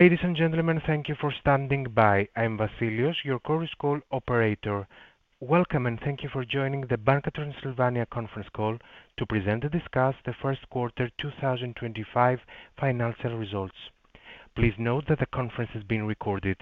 Ladies and gentlemen, thank you for standing by. I'm Basilios, your course call operator. Welcome, and thank you for joining the Banca Transilvania Conference Call to present and discuss the First Quarter 2025 Financial Results. Please note that the conference is being recorded.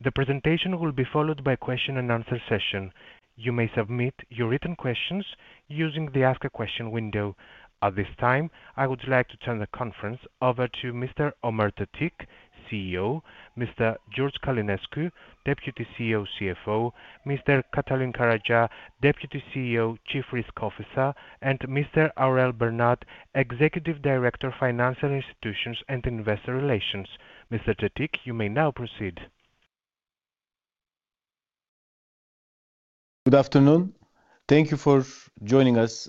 The presentation will be followed by a question-and-answer session. You may submit your written questions using the Ask a Question window. At this time, I would like to turn the conference over to Mr. Ömer Tetik, CEO, Mr. George Călinescu, Deputy CEO/CFO, Mr. Cătălin Caragea, Deputy CEO/Chief Risk Officer, and Mr. Aurel Bernat, Executive Director, Financial Institutions and Investor Relations. Mr. Tetik, you may now proceed. Good afternoon. Thank you for joining us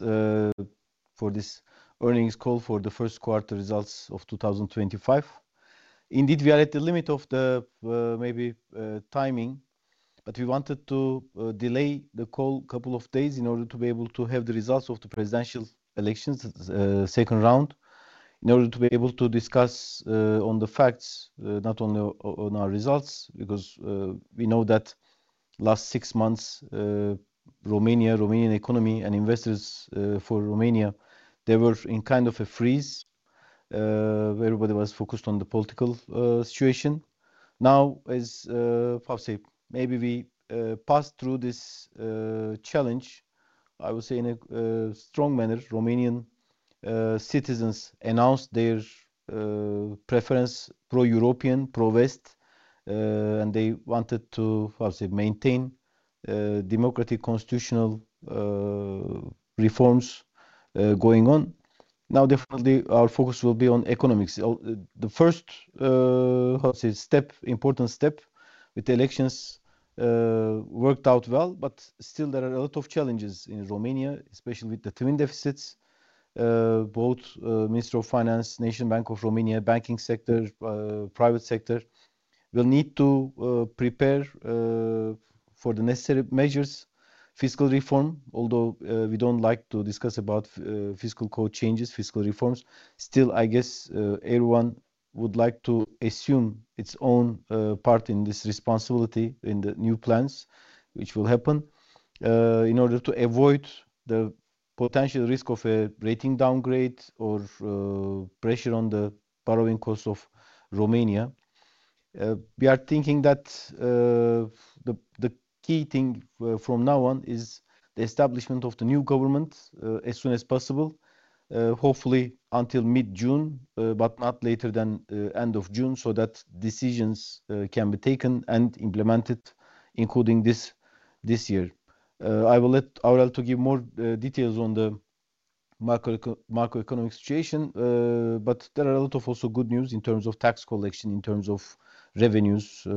for this earnings call for the first quarter results of 2025. Indeed, we are at the limit of the maybe timing, but we wanted to delay the call a couple of days in order to be able to have the results of the presidential elections, second round, in order to be able to discuss on the facts, not only on our results, because we know that last six months Romania, Romanian economy, and investors for Romania, they were in kind of a freeze. Everybody was focused on the political situation. Now, as maybe we passed through this challenge, I would say in a strong manner, Romanian citizens announced their preference pro-European, pro-West, and they wanted to maintain democratic constitutional reforms going on. Now, definitely, our focus will be on economics. The first step, important step with the elections worked out well, but still there are a lot of challenges in Romania, especially with the twin deficits. Both the Ministry of Finance, National Bank of Romania, banking sector, private sector will need to prepare for the necessary measures, fiscal reform, although we do not like to discuss about fiscal code changes, fiscal reforms. Still, I guess everyone would like to assume its own part in this responsibility in the new plans, which will happen, in order to avoid the potential risk of a rating downgrade or pressure on the borrowing cost of Romania. We are thinking that the key thing from now on is the establishment of the new government as soon as possible, hopefully until mid-June, but not later than end of June, so that decisions can be taken and implemented, including this year. I will let Aurel give more details on the macroeconomic situation, but there are also a lot of good news in terms of tax collection, in terms of revenues.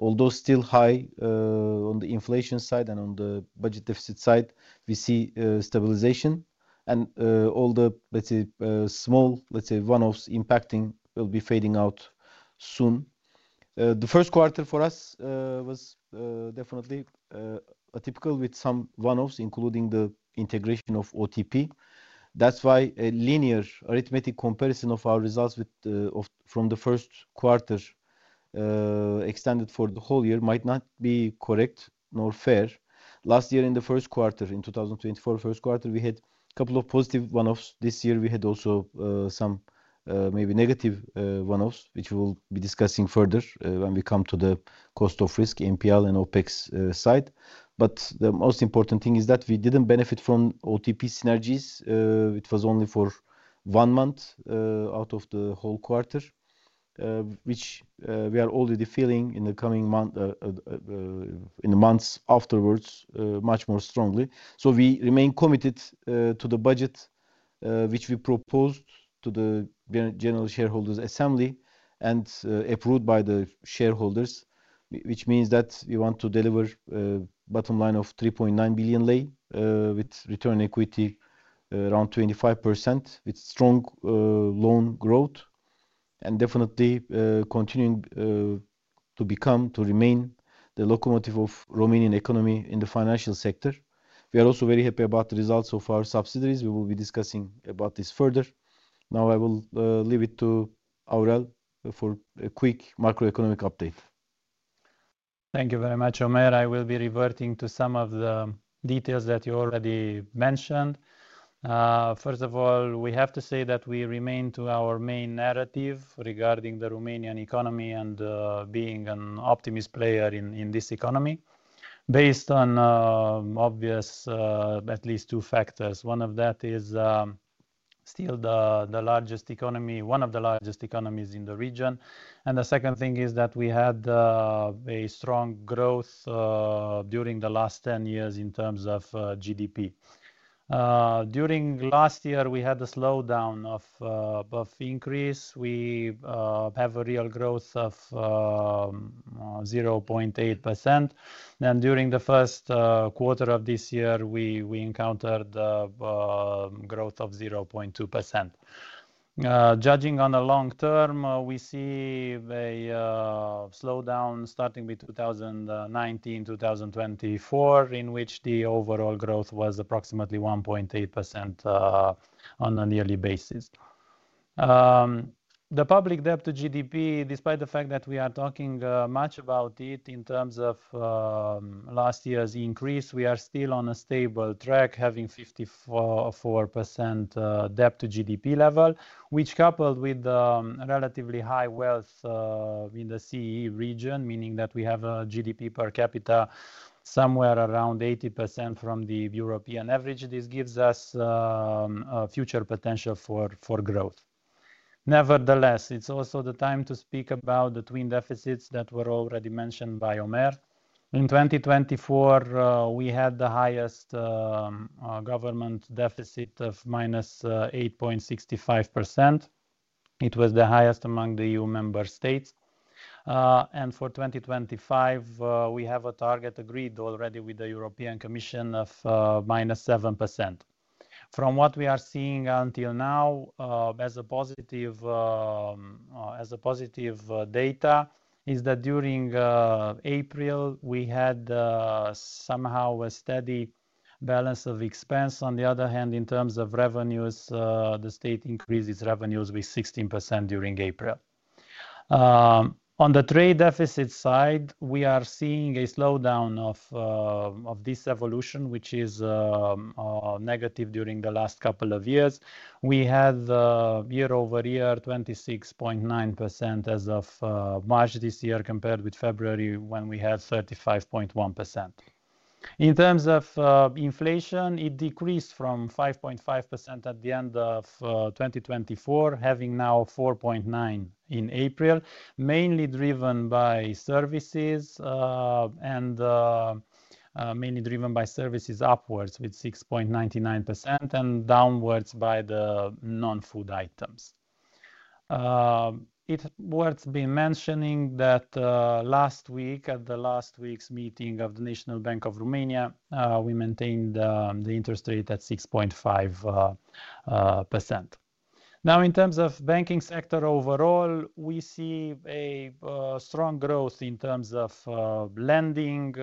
Although still high on the inflation side and on the budget deficit side, we see stabilization. All the, let's say, small, let's say, one-offs impacting will be fading out soon. The first quarter for us was definitely atypical with some one-offs, including the integration of OTP. That is why a linear arithmetic comparison of our results from the first quarter extended for the whole year might not be correct nor fair. Last year, in the first quarter, in 2024, first quarter, we had a couple of positive one-offs. This year, we had also some maybe negative one-offs, which we will be discussing further when we come to the cost of risk, NPL and OpEx side. The most important thing is that we did not benefit from OTP synergies. It was only for one month out of the whole quarter, which we are already feeling in the coming months afterwards much more strongly. We remain committed to the budget, which we proposed to the General Shareholders' Assembly and approved by the shareholders, which means that we want to deliver a bottom line of RON 3.9 billion with return on equity around 25%, with strong loan growth, and definitely continuing to become, to remain the locomotive of the Romanian economy in the financial sector. We are also very happy about the results of our subsidiaries. We will be discussing about this further. Now I will leave it to Aurel for a quick macroeconomic update. Thank you very much, Ömer. I will be reverting to some of the details that you already mentioned. First of all, we have to say that we remain to our main narrative regarding the Romanian economy and being an optimist player in this economy, based on obvious at least two factors. One of that is still the largest economy, one of the largest economies in the region. The second thing is that we had a strong growth during the last 10 years in terms of GDP. During last year, we had a slowdown of increase. We have a real growth of 0.8%. During the first quarter of this year, we encountered growth of 0.2%. Judging on the long term, we see a slowdown starting with 2019-2024, in which the overall growth was approximately 1.8% on a yearly basis. The public debt to GDP, despite the fact that we are talking much about it in terms of last year's increase, we are still on a stable track, having 54% debt to GDP level, which coupled with relatively high wealth in the CE region, meaning that we have a GDP per capita somewhere around 80% from the European average. This gives us future potential for growth. Nevertheless, it's also the time to speak about the twin deficits that were already mentioned by Ömer. In 2024, we had the highest government deficit of -8.65%. It was the highest among the EU member states. For 2025, we have a target agreed already with the European Commission of -7%. From what we are seeing until now, as a positive data, is that during April, we had somehow a steady balance of expense. On the other hand, in terms of revenues, the state increased its revenues by 16% during April. On the trade deficit side, we are seeing a slowdown of this evolution, which is negative during the last couple of years. We had year-over- year 26.9% as of March this year compared with February when we had 35.1%. In terms of inflation, it decreased from 5.5% at the end of 2024, having now 4.9% in April, mainly driven by services and mainly driven by services upwards with 6.99% and downwards by the non-food items. It is worth mentioning that last week, at the last week's meeting of the National Bank of Romania, we maintained the interest rate at 6.5%. Now, in terms of banking sector overall, we see a strong growth in terms of lending,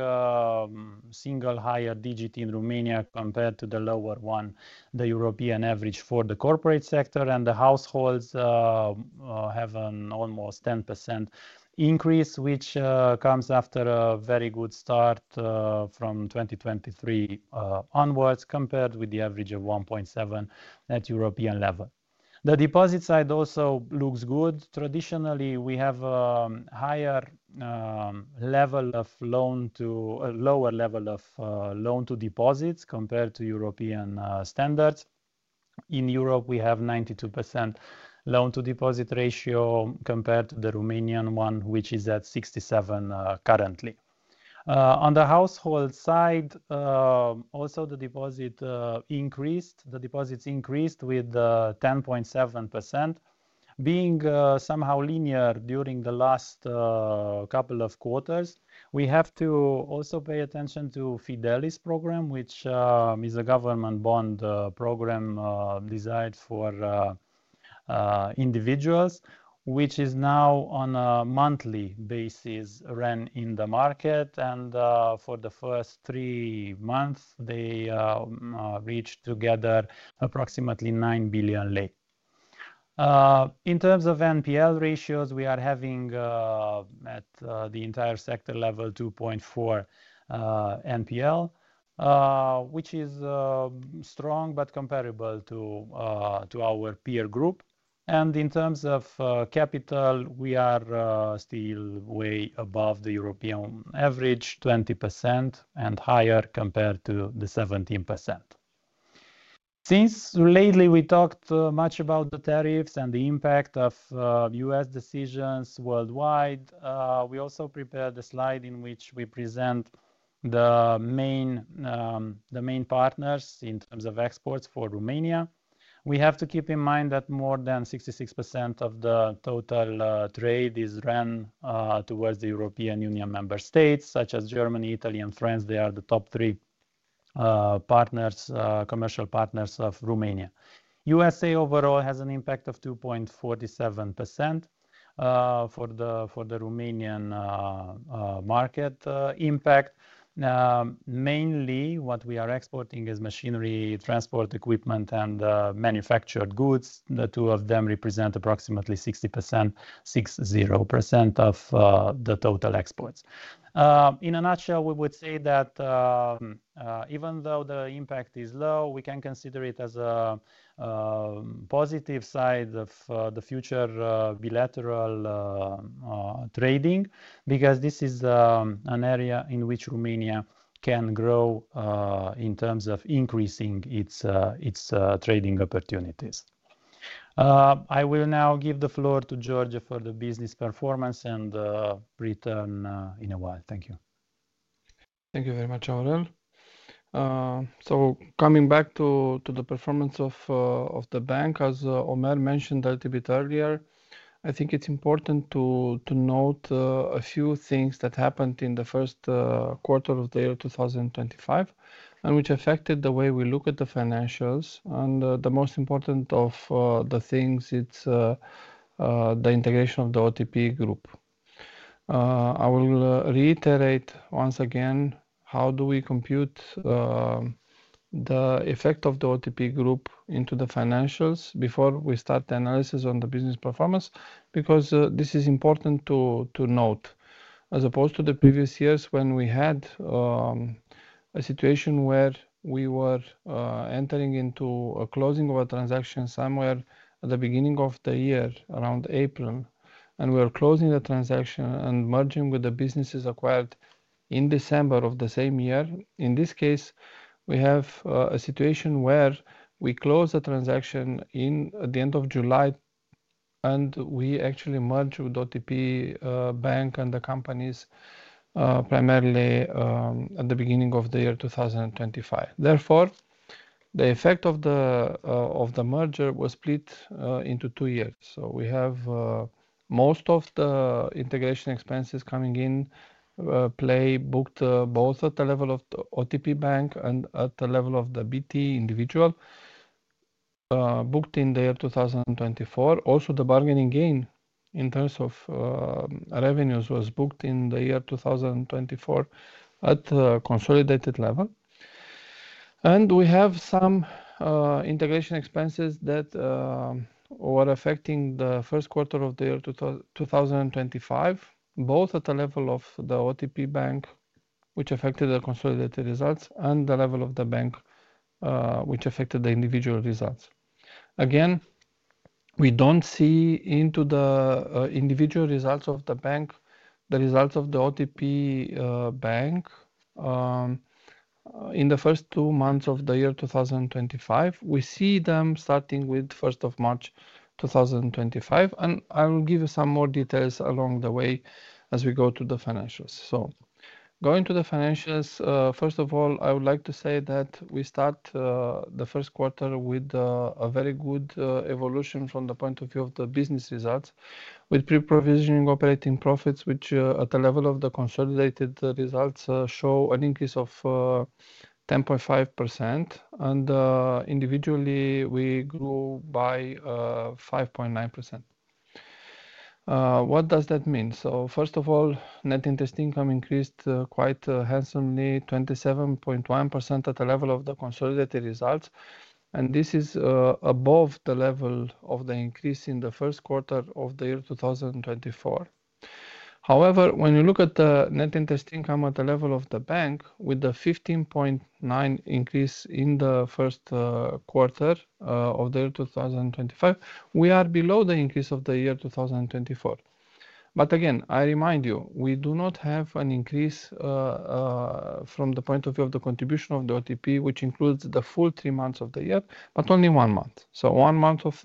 single higher digit in Romania compared to the lower one, the European average for the corporate sector, and the households have an almost 10% increase, which comes after a very good start from 2023 onwards compared with the average of 1.7% at European level. The deposit side also looks good. Traditionally, we have a higher level of loan to lower level of loan to deposits compared to European standards. In Europe, we have a 92% loan to deposit ratio compared to the Romanian one, which is at 67% currently. On the household side, also the deposits increased, the deposits increased with 10.7%, being somehow linear during the last couple of quarters. We have to also pay attention to the Fidelis program, which is a government bond program designed for individuals, which is now on a monthly basis run in the market. For the first three months, they reached together approximately RON 9 billion. In terms of NPL ratios, we are having at the entire sector level 2.4% NPL, which is strong but comparable to our peer group. In terms of capital, we are still way above the European average, 20% and higher compared to the 17%. Since lately we talked much about the tariffs and the impact of U.S. decisions worldwide, we also prepared a slide in which we present the main partners in terms of exports for Romania. We have to keep in mind that more than 66% of the total trade is run towards the European Union member states, such as Germany, Italy, and France. They are the top three commercial partners of Romania. The U.S.A. overall has an impact of 2.47% for the Romanian market impact. Mainly what we are exporting is machinery, transport equipment, and manufactured goods. The two of them represent approximately 60%, 60% of the total exports. In a nutshell, we would say that even though the impact is low, we can consider it as a positive side of the future bilateral trading because this is an area in which Romania can grow in terms of increasing its trading opportunities. I will now give the floor to George for the business performance and return in a while. Thank you. Thank you very much, Aurel. Coming back to the performance of the bank, as Ömer mentioned a little bit earlier, I think it's important to note a few things that happened in the first quarter of the year 2025 and which affected the way we look at the financials, and the most important of the things is the integration of the OTP group. I will reiterate once again how we compute the effect of the OTP group into the financials before we start the analysis on the business performance because this is important to note. As opposed to the previous years when we had a situation where we were entering into a closing of a transaction somewhere at the beginning of the year, around April, and we were closing the transaction and merging with the businesses acquired in December of the same year. In this case, we have a situation where we closed the transaction at the end of July and we actually merged with OTP Bank and the companies primarily at the beginning of the year 2025. Therefore, the effect of the merger was split into two years. We have most of the integration expenses coming in play booked both at the level of OTP Bank and at the level of the BT individual booked in the year 2024. Also, the bargaining gain in terms of revenues was booked in the year 2024 at a consolidated level. We have some integration expenses that were affecting the first quarter of the year 2025, both at the level of OTP Bank, which affected the consolidated results, and the level of the bank, which affected the individual results. Again, we do not see into the individual results of the bank, the results of OTP Bank in the first two months of the year 2025. We see them starting with 1st March 2025. I will give you some more details along the way as we go to the financials. Going to the financials, first of all, I would like to say that we start the first quarter with a very good evolution from the point of view of the business results, with pre-provisioning operating profits, which at the level of the consolidated results show an increase of 10.5%. Individually, we grew by 5.9%. What does that mean? First of all, net interest income increased quite handsomely, 27.1% at the level of the consolidated results. This is above the level of the increase in the first quarter of the year 2024. However, when you look at the net interest income at the level of the bank with the 15.9% increase in the first quarter of the year 2025, we are below the increase of the year 2024. Again, I remind you, we do not have an increase from the point of view of the contribution of OTP, which includes the full three months of the year, but only one month. One month of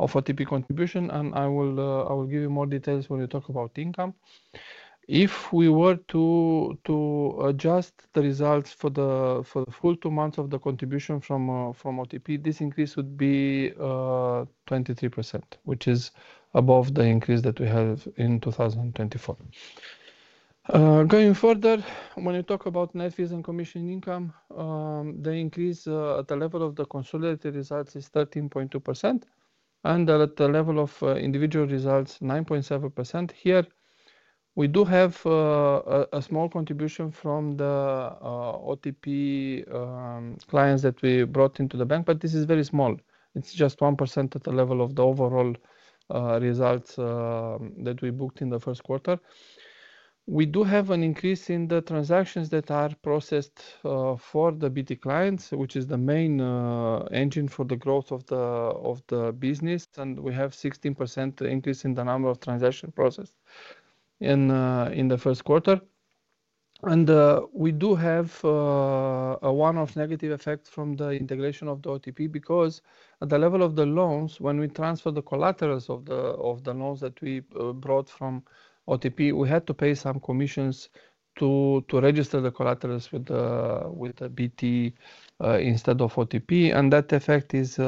OTP contribution. I will give you more details when we talk about income. If we were to adjust the results for the full two months of the contribution from OTP, this increase would be 23%, which is above the increase that we have in 2024. Going further, when you talk about net fees and commission income, the increase at the level of the consolidated results is 13.2%, and at the level of individual results, 9.7%. Here, we do have a small contribution from the OTP clients that we brought into the bank, but this is very small. It is just 1% at the level of the overall results that we booked in the first quarter. We do have an increase in the transactions that are processed for the BT clients, which is the main engine for the growth of the business. We have a 16% increase in the number of transactions processed in the first quarter. We do have a one-off negative effect from the integration of OTP because at the level of the loans, when we transfer the collaterals of the loans that we brought from OTP, we had to pay some commissions to register the collaterals with BT instead of OTP. That effect is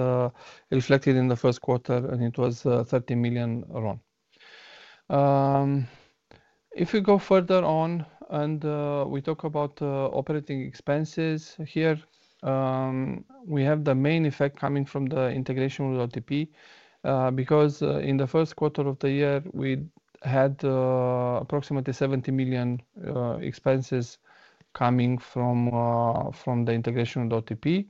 reflected in the first quarter, and it was RON 30 million. If we go further on and we talk about operating expenses, here we have the main effect coming from the integration with OTP because in the first quarter of the year, we had approximately RON 70 million expenses coming from the integration with OTP,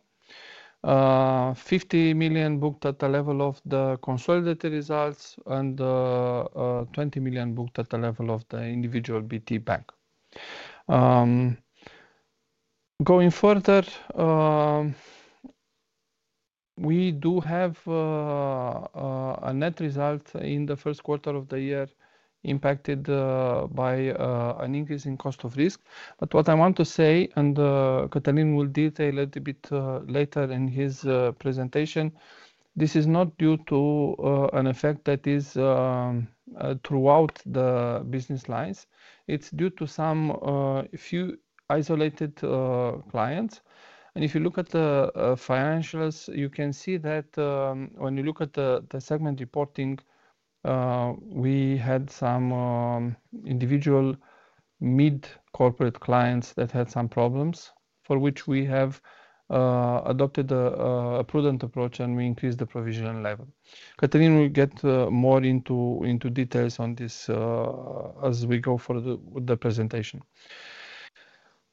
RON 50 million booked at the level of the consolidated results, and RON 20 million booked at the level of the individual BT bank. Going further, we do have a net result in the first quarter of the year impacted by an increase in cost of risk. What I want to say, and Cătălin will detail a little bit later in his presentation, this is not due to an effect that is throughout the business lines. It is due to some few isolated clients. If you look at the financials, you can see that when you look at the segment reporting, we had some individual mid-corporate clients that had some problems for which we have adopted a prudent approach, and we increased the provision level. Cătălin will get more into details on this as we go forward with the presentation.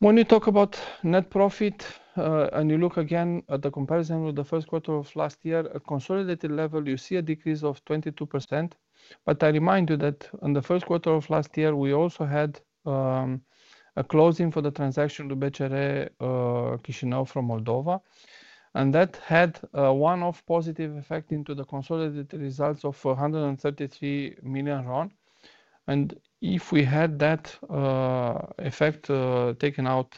When you talk about net profit and you look again at the comparison with the first quarter of last year, at consolidated level, you see a decrease of 22%. I remind you that in the first quarter of last year, we also had a closing for the transaction to BCR Chișinău from Moldova. That had a one-off positive effect into the consolidated results of RON 133 million. If we had that effect taken out,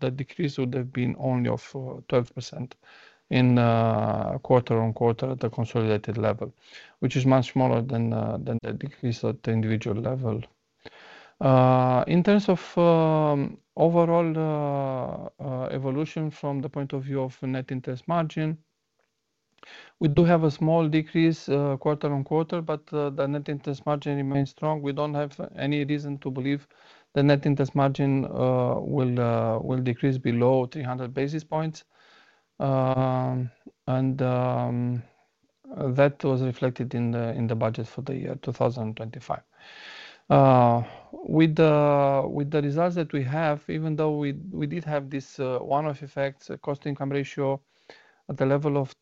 the decrease would have been only 12% quarter-on-quarter at the consolidated level, which is much smaller than the decrease at the individual level. In terms of overall evolution from the point of view of net interest margin, we do have a small decrease quarter-on-quarter, but the net interest margin remains strong. We do not have any reason to believe the net interest margin will decrease below 300 basis points. That was reflected in the budget for the year 2025. With the results that we have, even though we did have this one-off effect, the cost income ratio at the level of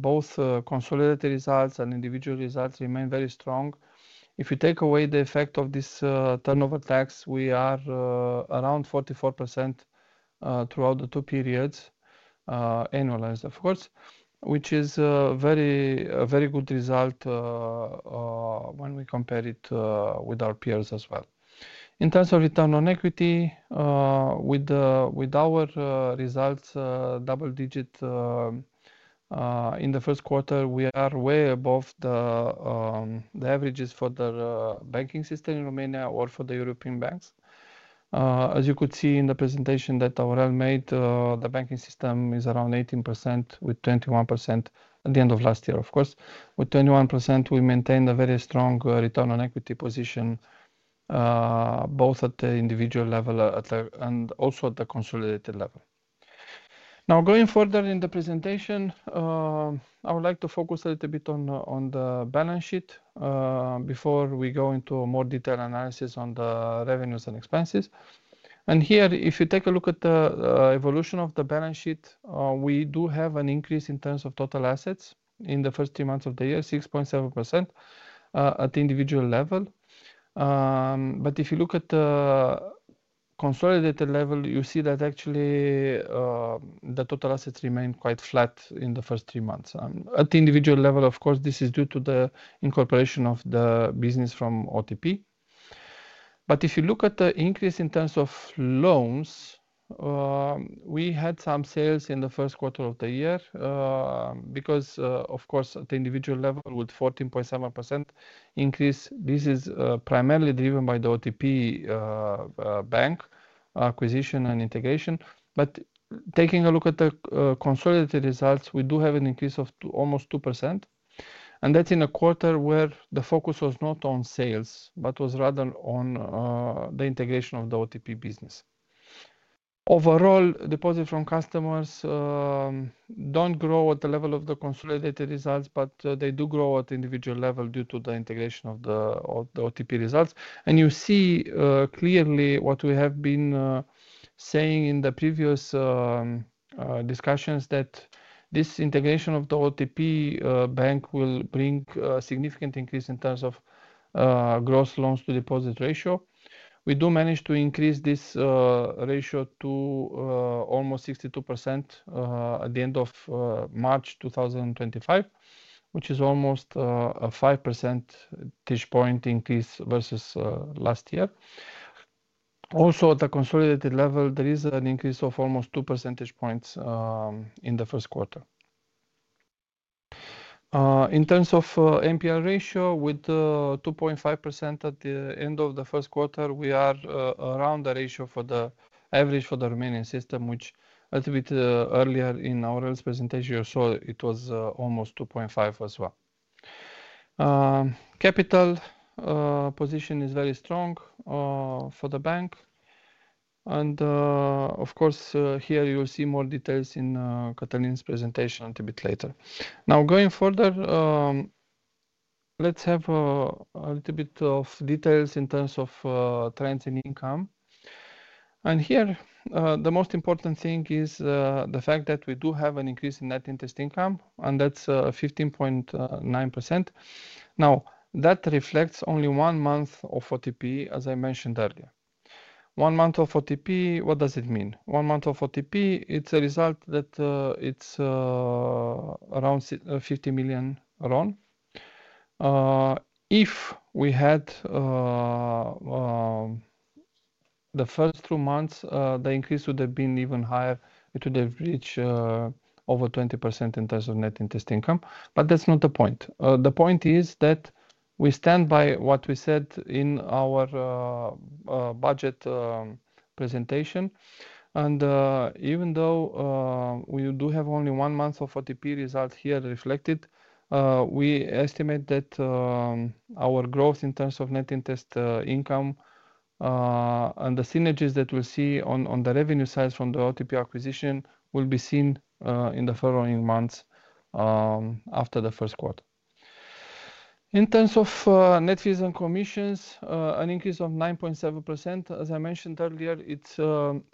both consolidated results and individual results remained very strong. If you take away the effect of this turnover tax, we are around 44% throughout the two periods, annualized, of course, which is a very good result when we compare it with our peers as well. In terms of return on equity, with our results, double-digit in the first quarter, we are way above the averages for the banking system in Romania or for the European banks. As you could see in the presentation that Aurel made, the banking system is around 18% with 21% at the end of last year, of course. With 21%, we maintain a very strong return on equity position both at the individual level and also at the consolidated level. Now, going further in the presentation, I would like to focus a little bit on the balance sheet before we go into more detailed analysis on the revenues and expenses. Here, if you take a look at the evolution of the balance sheet, we do have an increase in terms of total assets in the first three months of the year, 6.7% at the individual level. If you look at the consolidated level, you see that actually the total assets remain quite flat in the first three months. At the individual level, of course, this is due to the incorporation of the business from OTP. If you look at the increase in terms of loans, we had some sales in the first quarter of the year because, of course, at the individual level with 14.7% increase, this is primarily driven by the OTP Bank acquisition and integration. Taking a look at the consolidated results, we do have an increase of almost 2%. That is in a quarter where the focus was not on sales, but was rather on the integration of the OTP business. Overall, deposits from customers do not grow at the level of the consolidated results, but they do grow at the individual level due to the integration of the OTP results. You see clearly what we have been saying in previous discussions, that this integration of the OTP Bank will bring a significant increase in terms of gross loans to deposit ratio. We do manage to increase this ratio to almost 62% at the end of March 2025, which is almost a 5% point increase versus last year. Also, at the consolidated level, there is an increase of almost 2 percentage points in the first quarter. In terms of NPL ratio, with 2.5% at the end of the first quarter, we are around the ratio for the average for the Romanian system, which a little bit earlier in Aurel's presentation, you saw it was almost 2.5% as well. Capital position is very strong for the bank. Of course, here you'll see more details in Cătălin's presentation a little bit later. Now, going further, let's have a little bit of details in terms of trends in income. Here, the most important thing is the fact that we do have an increase in net interest income, and that's 15.9%. That reflects only one month of OTP, as I mentioned earlier. One month of OTP, what does it mean? One month of OTP, it's a result that it's around RON 50 million. If we had the first two months, the increase would have been even higher. It would have reached over 20% in terms of net interest income. That is not the point. The point is that we stand by what we said in our budget presentation. Even though we do have only one month of OTP result here reflected, we estimate that our growth in terms of net interest income and the synergies that we will see on the revenue side from the OTP acquisition will be seen in the following months after the first quarter. In terms of net fees and commissions, an increase of 9.7%, as I mentioned earlier, is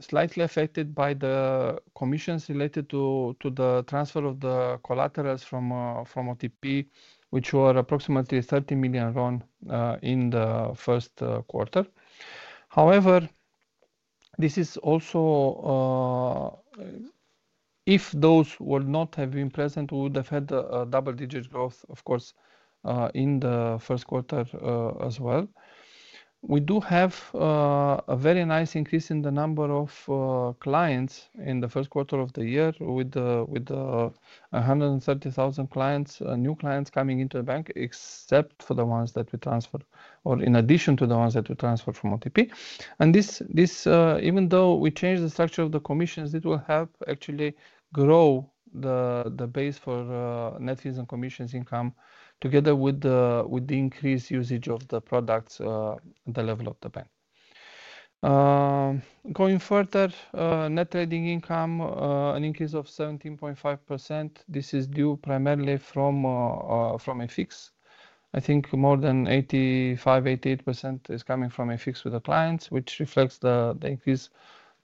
slightly affected by the commissions related to the transfer of the collaterals from OTP, which were approximately RON 30 million in the first quarter. However, if those would not have been present, we would have had a double-digit growth, of course, in the first quarter as well. We do have a very nice increase in the number of clients in the first quarter of the year with 130,000 clients, new clients coming into the bank, except for the ones that we transfer or in addition to the ones that we transfer from OTP. Even though we changed the structure of the commissions, it will help actually grow the base for net fees and commissions income together with the increased usage of the products at the level of the bank. Going further, net trading income, an increase of 17.5%. This is due primarily from a fix. I think more than 85%, 88% is coming from a fix with the clients, which reflects the increase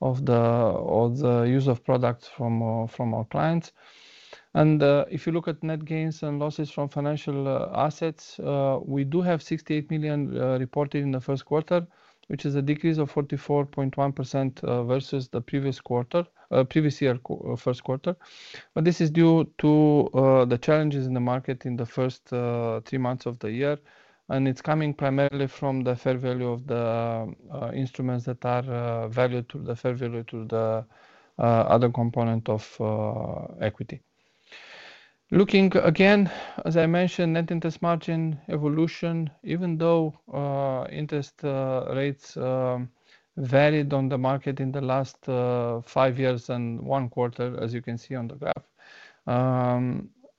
of the use of products from our clients. If you look at net gains and losses from financial assets, we do have RON 68 million reported in the first quarter, which is a decrease of 44.1% versus the previous year first quarter. This is due to the challenges in the market in the first three months of the year. It is coming primarily from the fair value of the instruments that are valued to the fair value to the other component of equity. Looking again, as I mentioned, at net interest margin evolution, even though interest rates varied on the market in the last five years and one quarter, as you can see on the graph,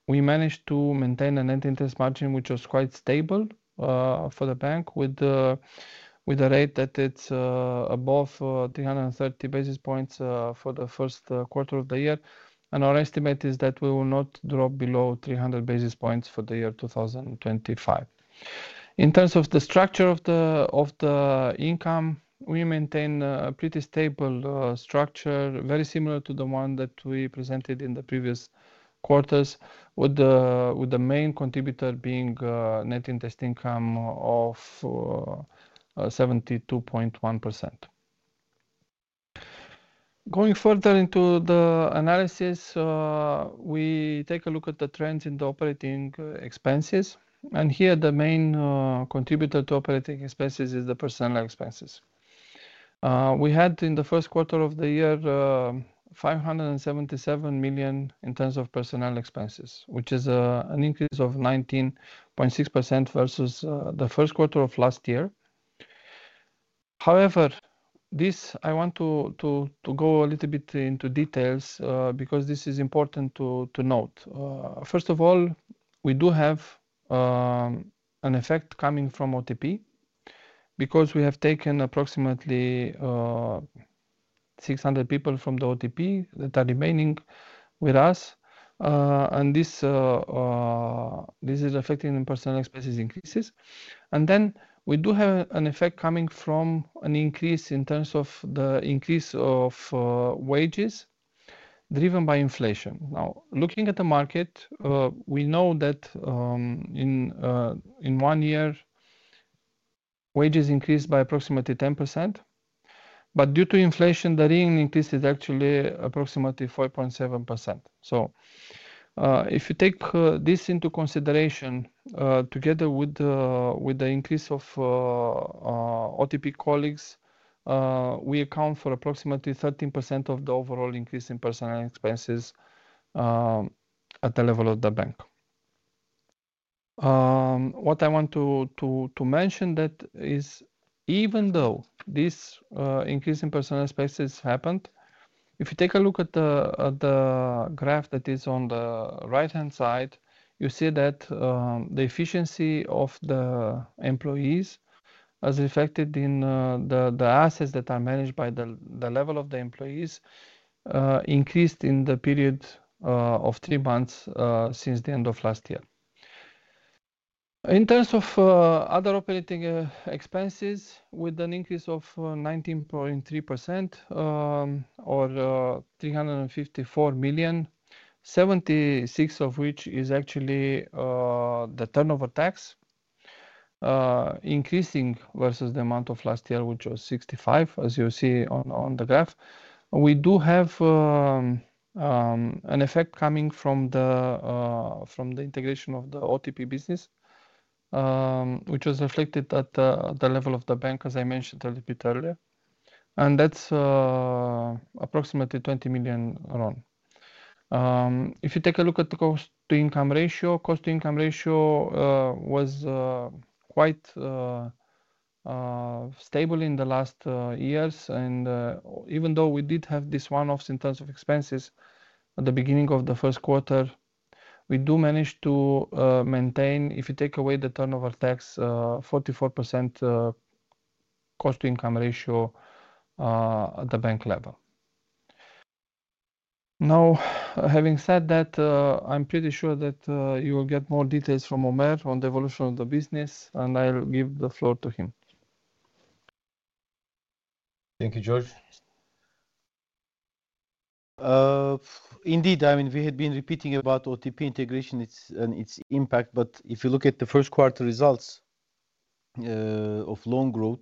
we managed to maintain a net interest margin which was quite stable for the bank with a rate that is above 330 basis points for the first quarter of the year. Our estimate is that we will not drop below 300 basis points for the year 2025. In terms of the structure of the income, we maintain a pretty stable structure, very similar to the one that we presented in the previous quarters, with the main contributor being net interest income of 72.1%. Going further into the analysis, we take a look at the trends in the operating expenses. Here, the main contributor to operating expenses is the personnel expenses. We had in the first quarter of the year RON 577 million in terms of personnel expenses, which is an increase of 19.6% versus the first quarter of last year. However, I want to go a little bit into details because this is important to note. First of all, we do have an effect coming from OTP because we have taken approximately 600 people from OTP that are remaining with us. This is affecting the personnel expenses increases. We do have an effect coming from an increase in terms of the increase of wages driven by inflation. Now, looking at the market, we know that in one year, wages increased by approximately 10%. Due to inflation, the real increase is actually approximately 5.7%. If you take this into consideration together with the increase of OTP colleagues, we account for approximately 13% of the overall increase in personnel expenses at the level of the bank. What I want to mention is, even though this increase in personnel expenses happened, if you take a look at the graph that is on the right-hand side, you see that the efficiency of the employees as reflected in the assets that are managed by the level of the employees increased in the period of three months since the end of last year. In terms of other operating expenses, with an increase of 19.3% or RON 354 million, RON 76 million of which is actually the turnover tax, increasing versus the amount of last year, which was RON 65 million, as you see on the graph. We do have an effect coming from the integration of the OTP business, which was reflected at the level of the bank, as I mentioned a little bit earlier. That is approximately RON 20 million. If you take a look at the cost-to-income ratio, cost-to-income ratio was quite stable in the last years. Even though we did have this one-off in terms of expenses at the beginning of the first quarter, we do manage to maintain, if you take away the turnover tax, 44% cost-to-income ratio at the bank level. Now, having said that, I'm pretty sure that you will get more details from Ömer on the evolution of the business, and I'll give the floor to him. Thank you, George. Indeed, I mean, we had been repeating about OTP integration and its impact, but if you look at the first quarter results of loan growth,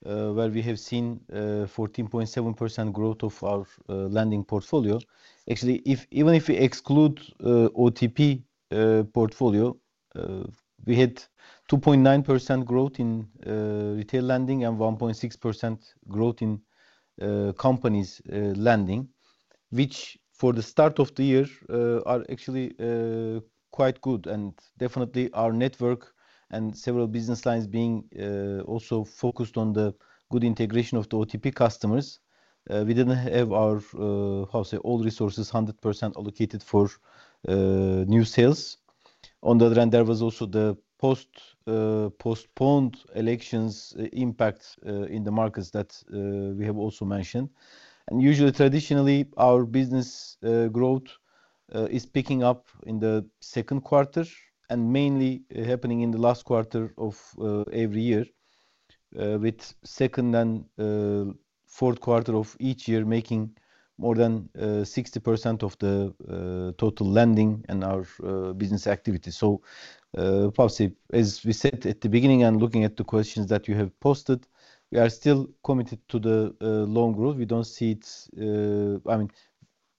where we have seen 14.7% growth of our lending portfolio, actually, even if we exclude OTP portfolio, we had 2.9% growth in retail lending and 1.6% growth in companies lending, which for the start of the year are actually quite good. Definitely, our network and several business lines being also focused on the good integration of the OTP customers, we did not have our, how to say, all resources 100% allocated for new sales. On the other hand, there was also the postponed elections impact in the markets that we have also mentioned. Usually, traditionally, our business growth is picking up in the second quarter and mainly happening in the last quarter of every year, with the second and fourth quarter of each year making more than 60% of the total lending and our business activity. As we said at the beginning and looking at the questions that you have posted, we are still committed to the loan growth. We do not see it. I mean,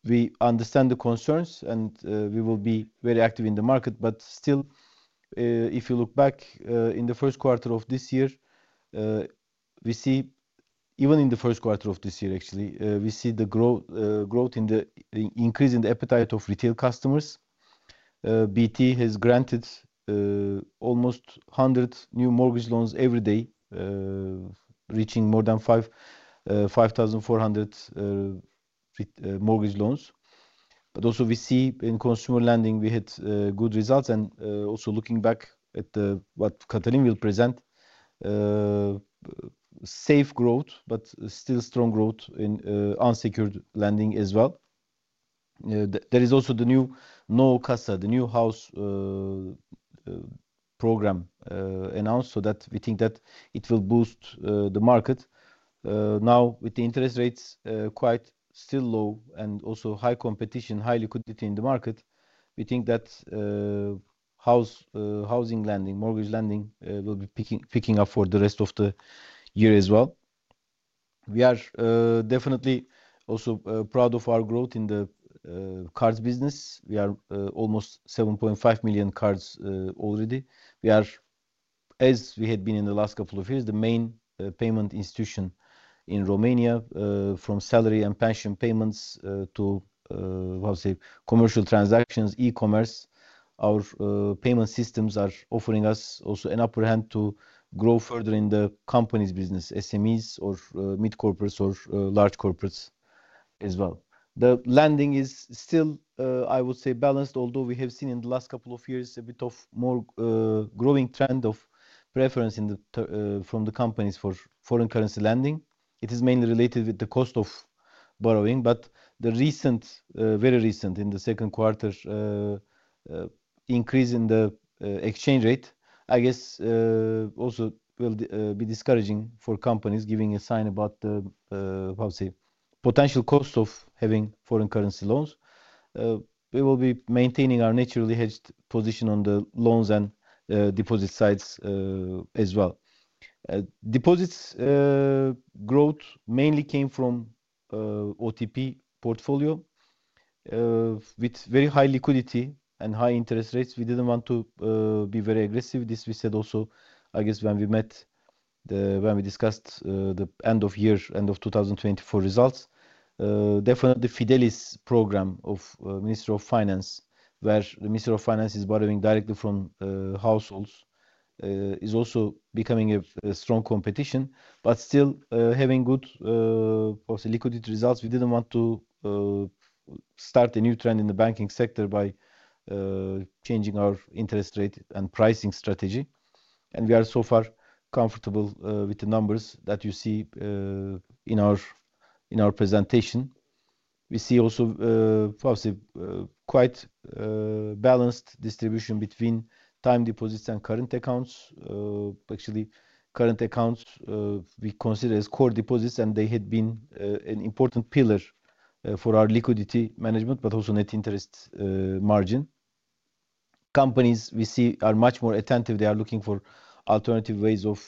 we understand the concerns, and we will be very active in the market. Still, if you look back in the first quarter of this year, we see even in the first quarter of this year, actually, we see the growth in the increase in the appetite of retail customers. BT has granted almost 100 new mortgage loans every day, reaching more than 5,400 mortgage loans. Also, we see in consumer lending, we had good results. Also looking back at what Cătălin will present, safe growth, but still strong growth in unsecured lending as well. There is also the new Noua Casa, the new house program announced so that we think that it will boost the market. Now, with the interest rates quite still low and also high competition, high liquidity in the market, we think that housing lending, mortgage lending will be picking up for the rest of the year as well. We are definitely also proud of our growth in the cards business. We are almost 7.5 million cards already. We are, as we had been in the last couple of years, the main payment institution in Romania from salary and pension payments to, how to say, commercial transactions, e-commerce. Our payment systems are offering us also an upper hand to grow further in the company's business, SMEs or mid-corporates or large corporates as well. The lending is still, I would say, balanced, although we have seen in the last couple of years a bit of more growing trend of preference from the companies for foreign currency lending. It is mainly related with the cost of borrowing, but the recent, very recent in the second quarter increase in the exchange rate, I guess, also will be discouraging for companies giving a sign about the, how to say, potential cost of having foreign currency loans. We will be maintaining our naturally hedged position on the loans and deposit sides as well. Deposits growth mainly came from OTP portfolio with very high liquidity and high interest rates. We did not want to be very aggressive. This we said also, I guess, when we met, when we discussed the end of year, end of 2024 results. Definitely, Fidelis program of the Minister of Finance, where the Minister of Finance is borrowing directly from households, is also becoming a strong competition, but still having good, how to say, liquidity results. We did not want to start a new trend in the banking sector by changing our interest rate and pricing strategy. We are so far comfortable with the numbers that you see in our presentation. We see also, how to say, quite balanced distribution between time deposits and current accounts. Actually, current accounts we consider as core deposits, and they had been an important pillar for our liquidity management, but also net interest margin. Companies we see are much more attentive. They are looking for alternative ways of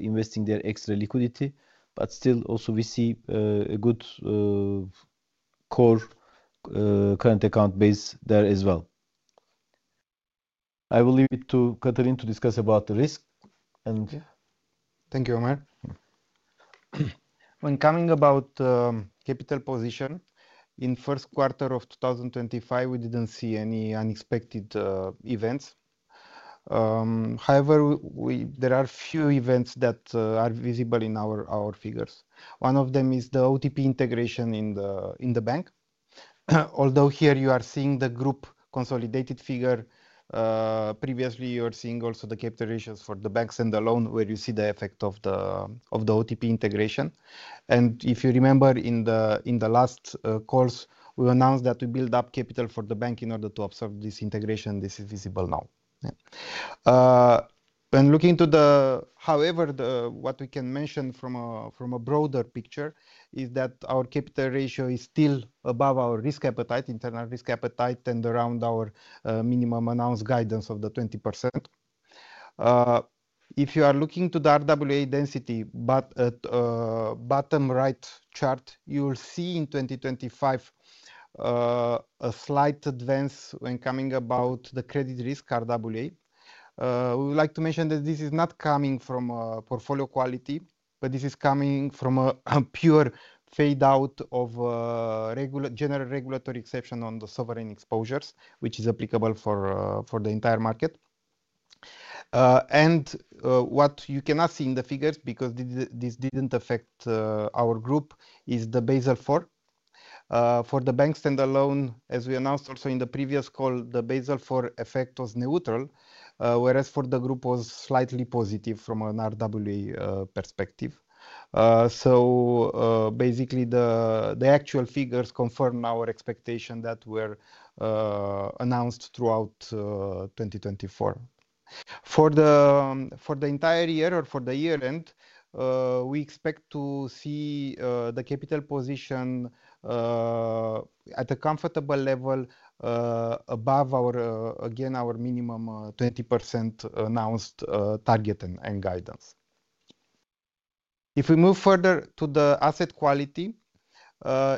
investing their extra liquidity. But still, also we see a good core current account base there as well. I will leave it to Cătălin to discuss about the risk. Thank you, Omer. When coming about capital position, in first quarter of 2025, we did not see any unexpected events. However, there are a few events that are visible in our figures. One of them is the OTP integration in the bank. Although here you are seeing the group consolidated figure, previously you are seeing also the capital ratios for the banks and the loan where you see the effect of the OTP integration. And if you remember in the last calls, we announced that we build up capital for the bank in order to observe this integration. This is visible now. When looking to the, however, what we can mention from a broader picture is that our capital ratio is still above our risk appetite, internal risk appetite, and around our minimum announced guidance of the 20%. If you are looking to the RWA density, at bottom right chart, you will see in 2025 a slight advance when coming about the credit risk RWA. We would like to mention that this is not coming from portfolio quality, but this is coming from a pure fade-out of general regulatory exception on the sovereign exposures, which is applicable for the entire market. What you cannot see in the figures, because this did not affect our group, is the Basel IV. For the banks and the loan, as we announced also in the previous call, the Basel IV effect was neutral, whereas for the group was slightly positive from an RWA perspective. Basically, the actual figures confirm our expectation that were announced throughout 2024. For the entire year or for the year-end, we expect to see the capital position at a comfortable level above, again, our minimum 20% announced target and guidance. If we move further to the asset quality,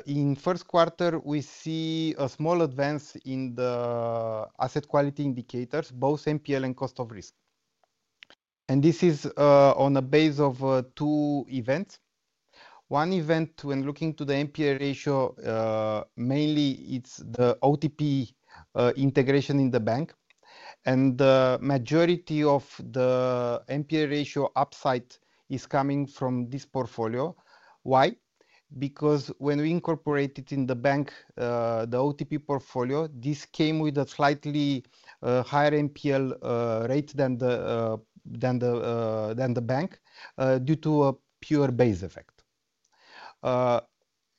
in first quarter, we see a small advance in the asset quality indicators, both NPL and cost of risk. This is on a base of two events. One event, when looking to the NPL ratio, mainly it's the OTP integration in the bank. The majority of the NPL ratio upside is coming from this portfolio. Why? Because when we incorporated in the bank the OTP portfolio, this came with a slightly higher NPL rate than the bank due to a pure base effect.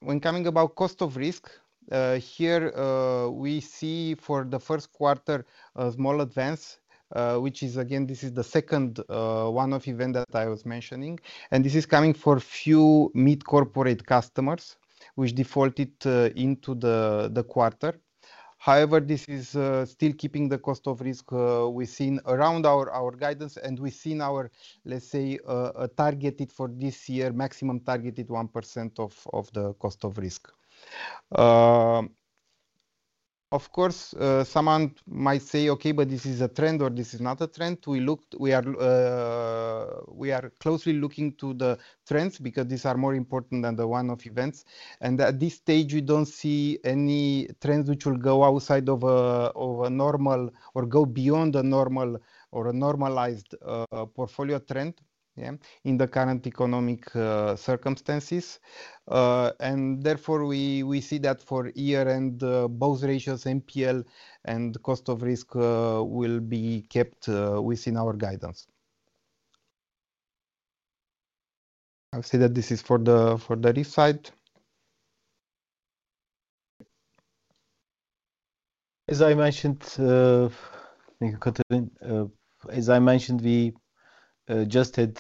When coming about cost of risk, here we see for the first quarter a small advance, which is, again, this is the second one-off event that I was mentioning. This is coming for few mid-corporate customers, which defaulted into the quarter. However, this is still keeping the cost of risk within around our guidance, and we've seen our, let's say, targeted for this year, maximum targeted 1% of the cost of risk. Of course, someone might say, "Okay, but this is a trend or this is not a trend." We are closely looking to the trends because these are more important than the one-off events. At this stage, we do not see any trends which will go outside of a normal or go beyond a normal or a normalized portfolio trend in the current economic circumstances. Therefore, we see that for year-end, both ratios, MPL and cost of risk, will be kept within our guidance. I'll say that this is for the REIF side. As I mentioned, we just had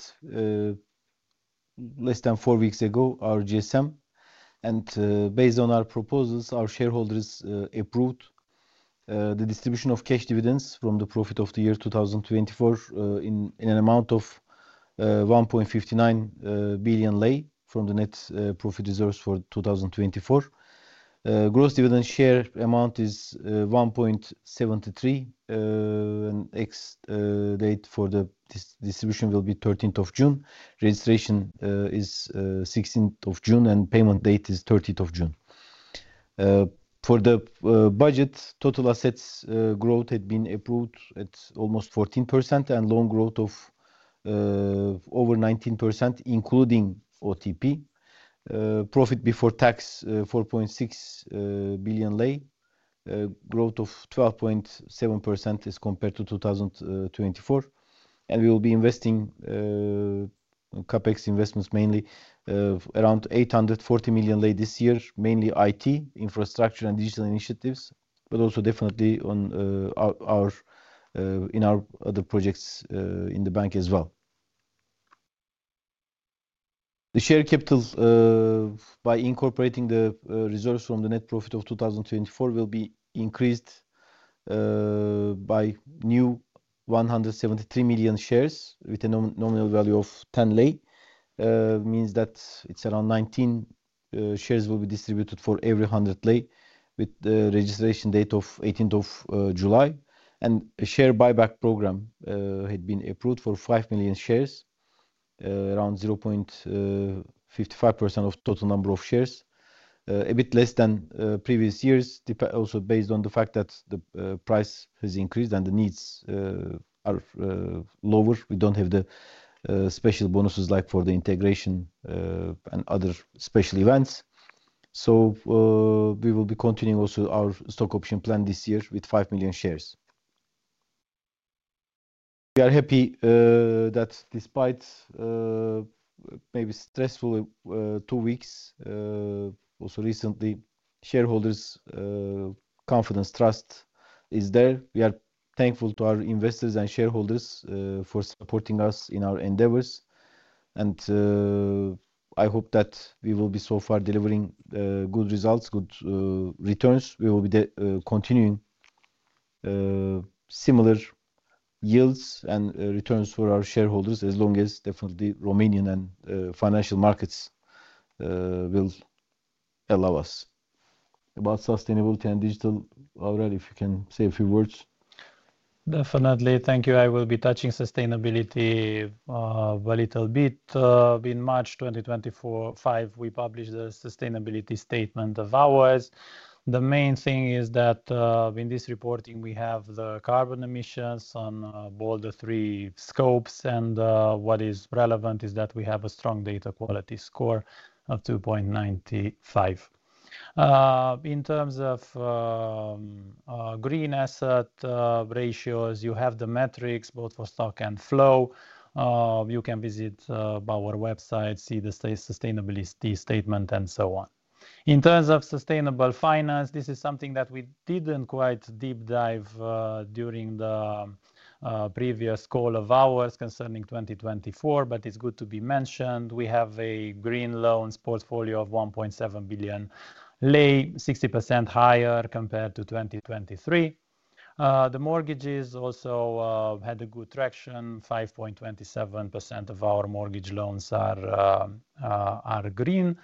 less than four weeks ago our GSM. Based on our proposals, our shareholders approved the distribution of cash dividends from the profit of the year 2024 in an amount of RON 1.59 billion from the net profit reserves for 2024. Gross dividend share amount is RON 1.73, and the distribution will be 13th of June. Registration is 16th of June, and payment date is 30th of June. For the budget, total assets growth had been approved at almost 14% and loan growth of over 19%, including OTP. Profit before tax RON 4.6 billion. Growth of 12.7% as compared to 2024. We will be investing CapEx investments mainly around RON 840 million this year, mainly IT, infrastructure, and digital initiatives, but also definitely in our other projects in the bank as well. The share capital by incorporating the reserves from the net profit of 2024 will be increased by new 173 million shares with a nominal value of RON 10. This means that it's around 19 shares will be distributed for every RON 100 with the registration date of 18th of July. A share buyback program had been approved for 5 million shares, around 0.55% of total number of shares. A bit less than previous years, also based on the fact that the price has increased and the needs are lower. We don't have the special bonuses like for the integration and other special events. We will be continuing also our stock option plan this year with 5 million shares. We are happy that despite maybe stressful two weeks, also recently, shareholders' confidence trust is there. We are thankful to our investors and shareholders for supporting us in our endeavors. I hope that we will be so far delivering good results, good returns. We will be continuing similar yields and returns for our shareholders as long as definitely Romanian and financial markets will allow us. About sustainability and digital, Aurel, if you can say a few words. Definitely. Thank you. I will be touching sustainability a little bit. In March 2025, we published the sustainability statement of ours. The main thing is that in this reporting, we have the carbon emissions on all the three scopes. What is relevant is that we have a strong data quality score of 2.95. In terms of green asset ratios, you have the metrics both for stock and flow. You can visit our website, see the sustainability statement, and so on. In terms of sustainable finance, this is something that we did not quite deep dive during the previous call of ours concerning 2024, but it is good to be mentioned. We have a green loans portfolio of RON 1.7 billion, 60% higher compared to 2023. The mortgages also had good traction. 5.27% of our mortgage loans are green.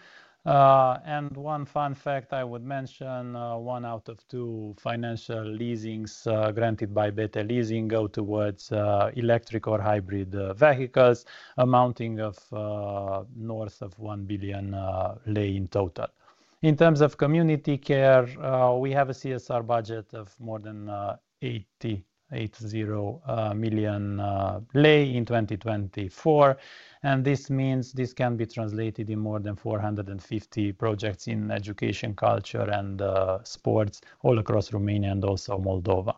One fun fact I would mention, one out of two financial leasings granted by BT Leasing go towards electric or hybrid vehicles, amounting to north of RON 1 billion in total. In terms of community care, we have a CSR budget of more than RON 80 million in 2024. This means this can be translated in more than 450 projects in education, culture, and sports all across Romania and also Moldova.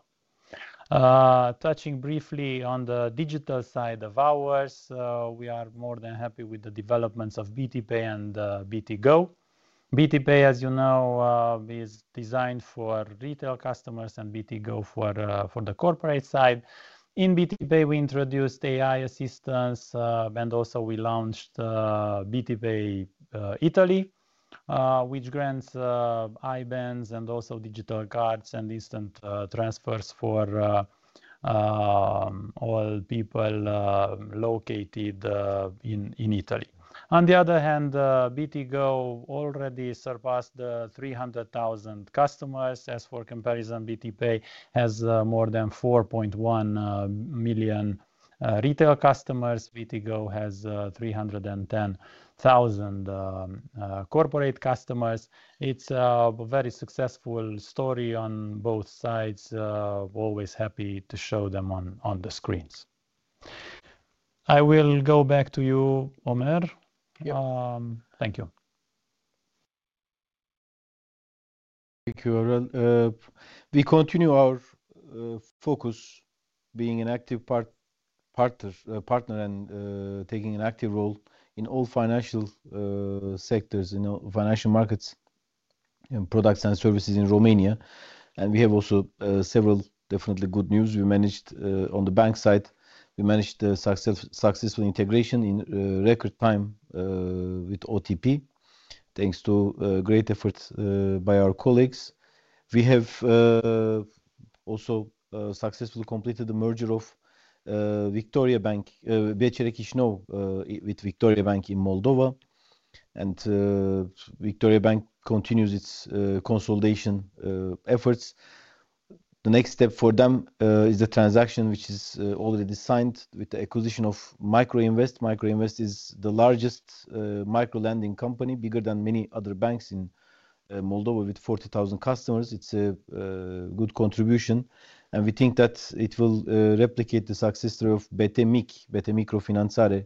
Touching briefly on the digital side of ours, we are more than happy with the developments of BT Pay and BT Go. BT Pay, as you know, is designed for retail customers and BT Go for the corporate side. In BT Pay, we introduced AI assistance, and also we launched BT Pay Italy, which grants IBANs and also digital cards and instant transfers for all people located in Italy. On the other hand, BT Go already surpassed 300,000 customers. As for comparison, BT Pay has more than 4.1 million retail customers. BT Go has 310,000 corporate customers. It is a very successful story on both sides. Always happy to show them on the screens. I will go back to you, Ömer. Thank you. Thank you, Aurel. We continue our focus being an active partner and taking an active role in all financial sectors, in financial markets, in products and services in Romania. We have also several definitely good news. On the bank side, we managed the successful integration in record time with OTP, thanks to great efforts by our colleagues. We have also successfully completed the merger of Victoria Bank, BCR Chișinău, with Victoria Bank in Moldova. Victoria Bank continues its consolidation efforts. The next step for them is the transaction, which is already signed with the acquisition of Microinvest. Microinvest is the largest microlending company, bigger than many other banks in Moldova with 40,000 customers. It's a good contribution. We think that it will replicate the success story of BT Microfinanțare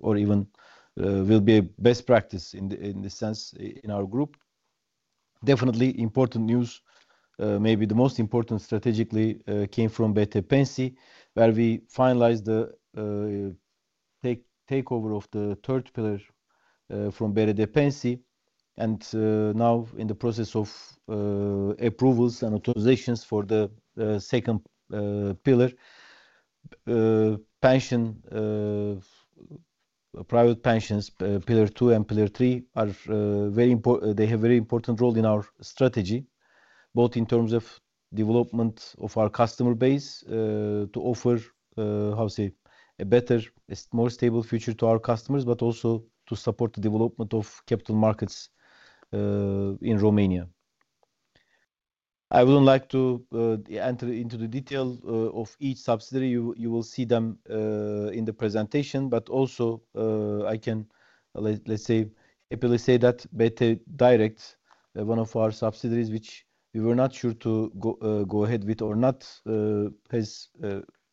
or even will be a best practice in this sense in our group. Definitely important news, maybe the most important strategically came from BT Pensii, where we finalized the takeover of the third pillar from BT Pensii. We are now in the process of approvals and authorizations for the second pillar, private pensions. Pillar Two and Pillar Three are very important. They have a very important role in our strategy, both in terms of development of our customer base to offer, how to say, a better, more stable future to our customers, but also to support the development of capital markets in Romania. I would not like to enter into the detail of each subsidiary. You will see them in the presentation, but also I can, let's say, happily say that BT Direct, one of our subsidiaries, which we were not sure to go ahead with or not, has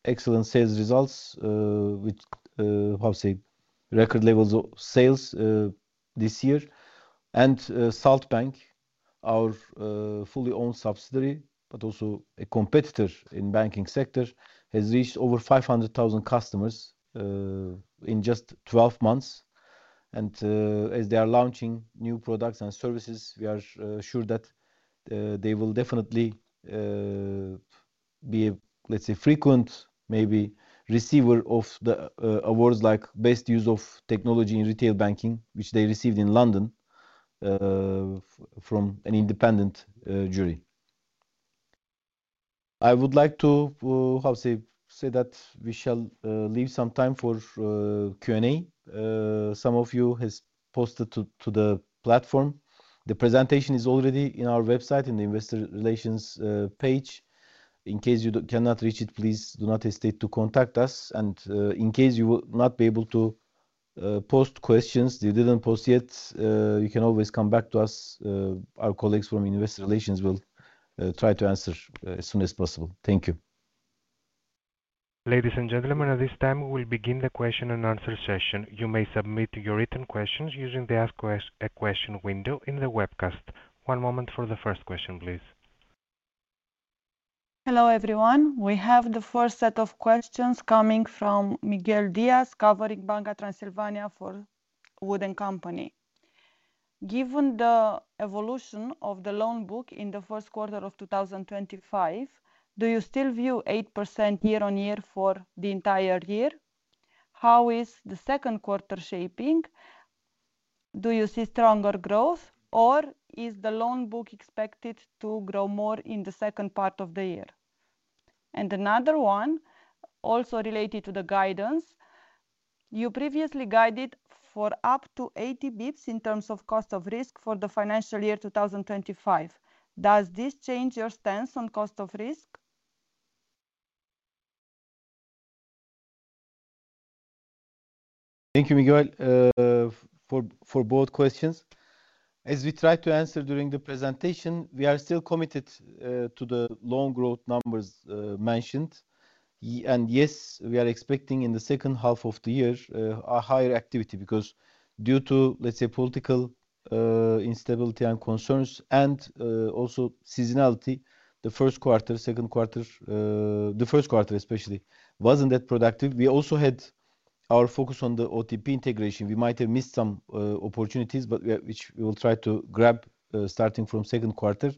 excellent sales results with, how to say, record levels of sales this year. Salt Bank, our fully owned subsidiary, but also a competitor in the banking sector, has reached over 500,000 customers in just 12 months. As they are launching new products and services, we are sure that they will definitely be, let's say, frequent, maybe receiver of the awards like Best Use of Technology in Retail Banking, which they received in London from an independent jury. I would like to, how to say, say that we shall leave some time for Q&A. Some of you have posted to the platform. The presentation is already on our website in the investor relations page. In case you cannot reach it, please do not hesitate to contact us. In case you will not be able to post questions, you did not post yet, you can always come back to us. Our colleagues from investor relations will try to answer as soon as possible. Thank you. Ladies and gentlemen, at this time, we'll begin the question and answer session. You may submit your written questions using the ask a question window in the webcast. One moment for the first question, please. Hello everyone. We have the first set of questions coming from Miguel Dias, covering Banca Transilvania for Wooden Company. Given the evolution of the loan book in the first quarter of 2025, do you still view 8% year-on-year for the entire year? How is the second quarter shaping? Do you see stronger growth, or is the loan book expected to grow more in the second part of the year? Another one, also related to the guidance, you previously guided for up to 80 basis points in terms of cost of risk for the financial year 2025. Does this change your stance on cost of risk? Thank you, Miguel, for both questions. As we tried to answer during the presentation, we are still committed to the long growth numbers mentioned. Yes, we are expecting in the second half of the year a higher activity because due to, let's say, political instability and concerns and also seasonality, the first quarter, second quarter, the first quarter especially, was not that productive. We also had our focus on the OTP integration. We might have missed some opportunities, but which we will try to grab starting from second quarter.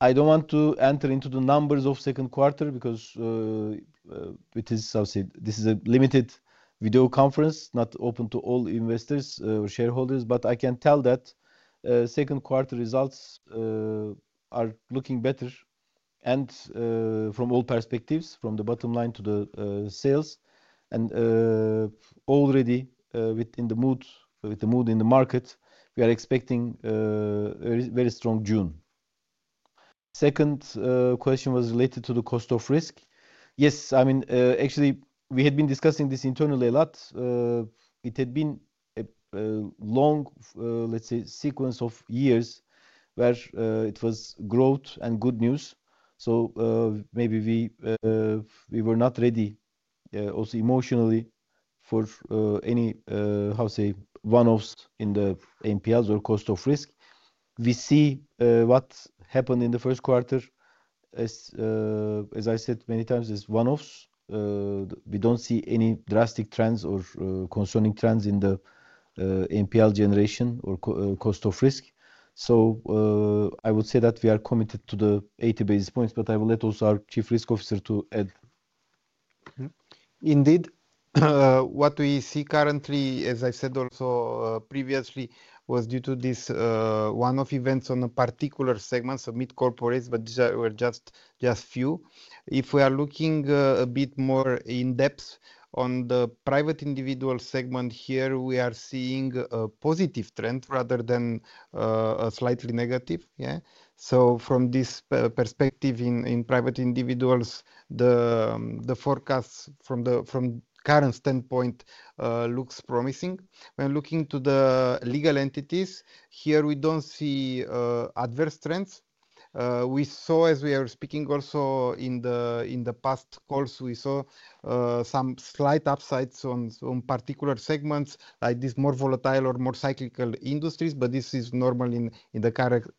I do not want to enter into the numbers of second quarter because it is, how to say, this is a limited video conference, not open to all investors or shareholders, but I can tell that second quarter results are looking better from all perspectives, from the bottom line to the sales. Already within the mood in the market, we are expecting a very strong June. Second question was related to the cost of risk. Yes, I mean, actually, we had been discussing this internally a lot. It had been a long, let's say, sequence of years where it was growth and good news. Maybe we were not ready also emotionally for any, how to say, one-offs in the NPLs or cost of risk. We see what happened in the first quarter. As I said many times, there are one-offs. We do not see any drastic trends or concerning trends in the NPL generation or cost of risk. I would say that we are committed to the 80 basis points, but I will let also our Chief Risk Officer add. Indeed, what we see currently, as I said also previously, was due to these one-off events on a particular segment, some mid corporates, but these were just a few. If we are looking a bit more in depth on the private individual segment here, we are seeing a positive trend rather than a slightly negative. Yeah. From this perspective in private individuals, the forecast from current standpoint looks promising. When looking to the legal entities, here we do not see adverse trends. We saw, as we are speaking also in the past calls, we saw some slight upsides on particular segments like these more volatile or more cyclical industries, but this is normal in the current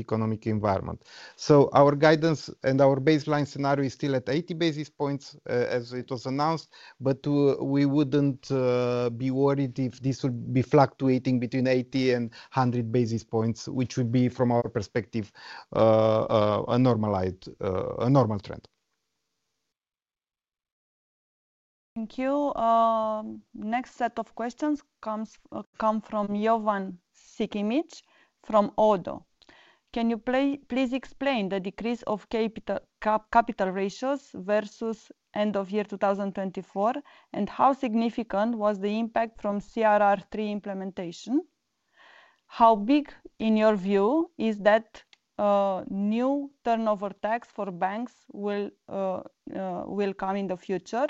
economic environment. Our guidance and our baseline scenario is still at 80 basis points as it was announced, but we would not be worried if this would be fluctuating between 80 basis points and 100 basis points, which would be from our perspective a normal trend. Thank you. Next set of questions comes from Jovan Sikimic from ODDO. Can you please explain the decrease of capital ratios versus end of year 2024, and how significant was the impact from CRR3 implementation? How big, in your view, is that new turnover tax for banks will come in the future?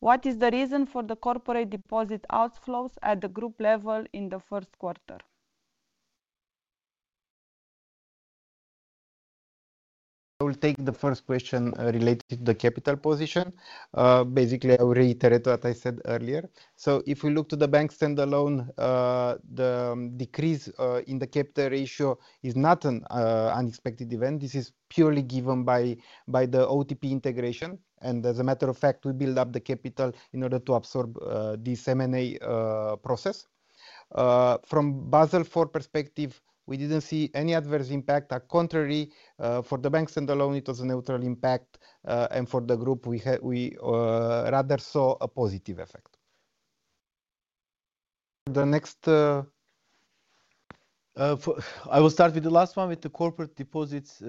What is the reason for the corporate deposit outflows at the group level in the first quarter? I will take the first question related to the capital position. Basically, I will reiterate what I said earlier. If we look to the bank standalone, the decrease in the capital ratio is not an unexpected event. This is purely given by the OTP integration. As a matter of fact, we build up the capital in order to absorb this M&A process. From Basel IV perspective, we did not see any adverse impact. Contrary, for the bank standalone, it was a neutral impact. For the group, we rather saw a positive effect. Next, I will start with the last one with the corporate deposits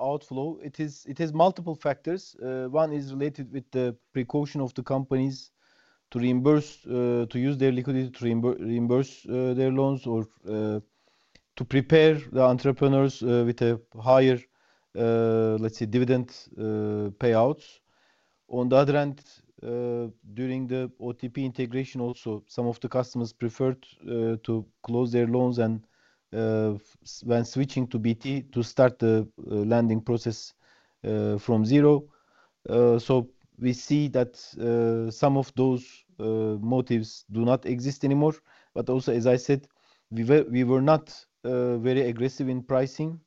outflow. It has multiple factors. One is related with the precaution of the companies to reimburse, to use their liquidity to reimburse their loans or to prepare the entrepreneurs with a higher, let's say, dividend payouts. On the other hand, during the OTP integration, also some of the customers preferred to close their loans when switching to BT to start the lending process from zero. We see that some of those motives do not exist anymore. But also, as I said, we were not very aggressive in pricing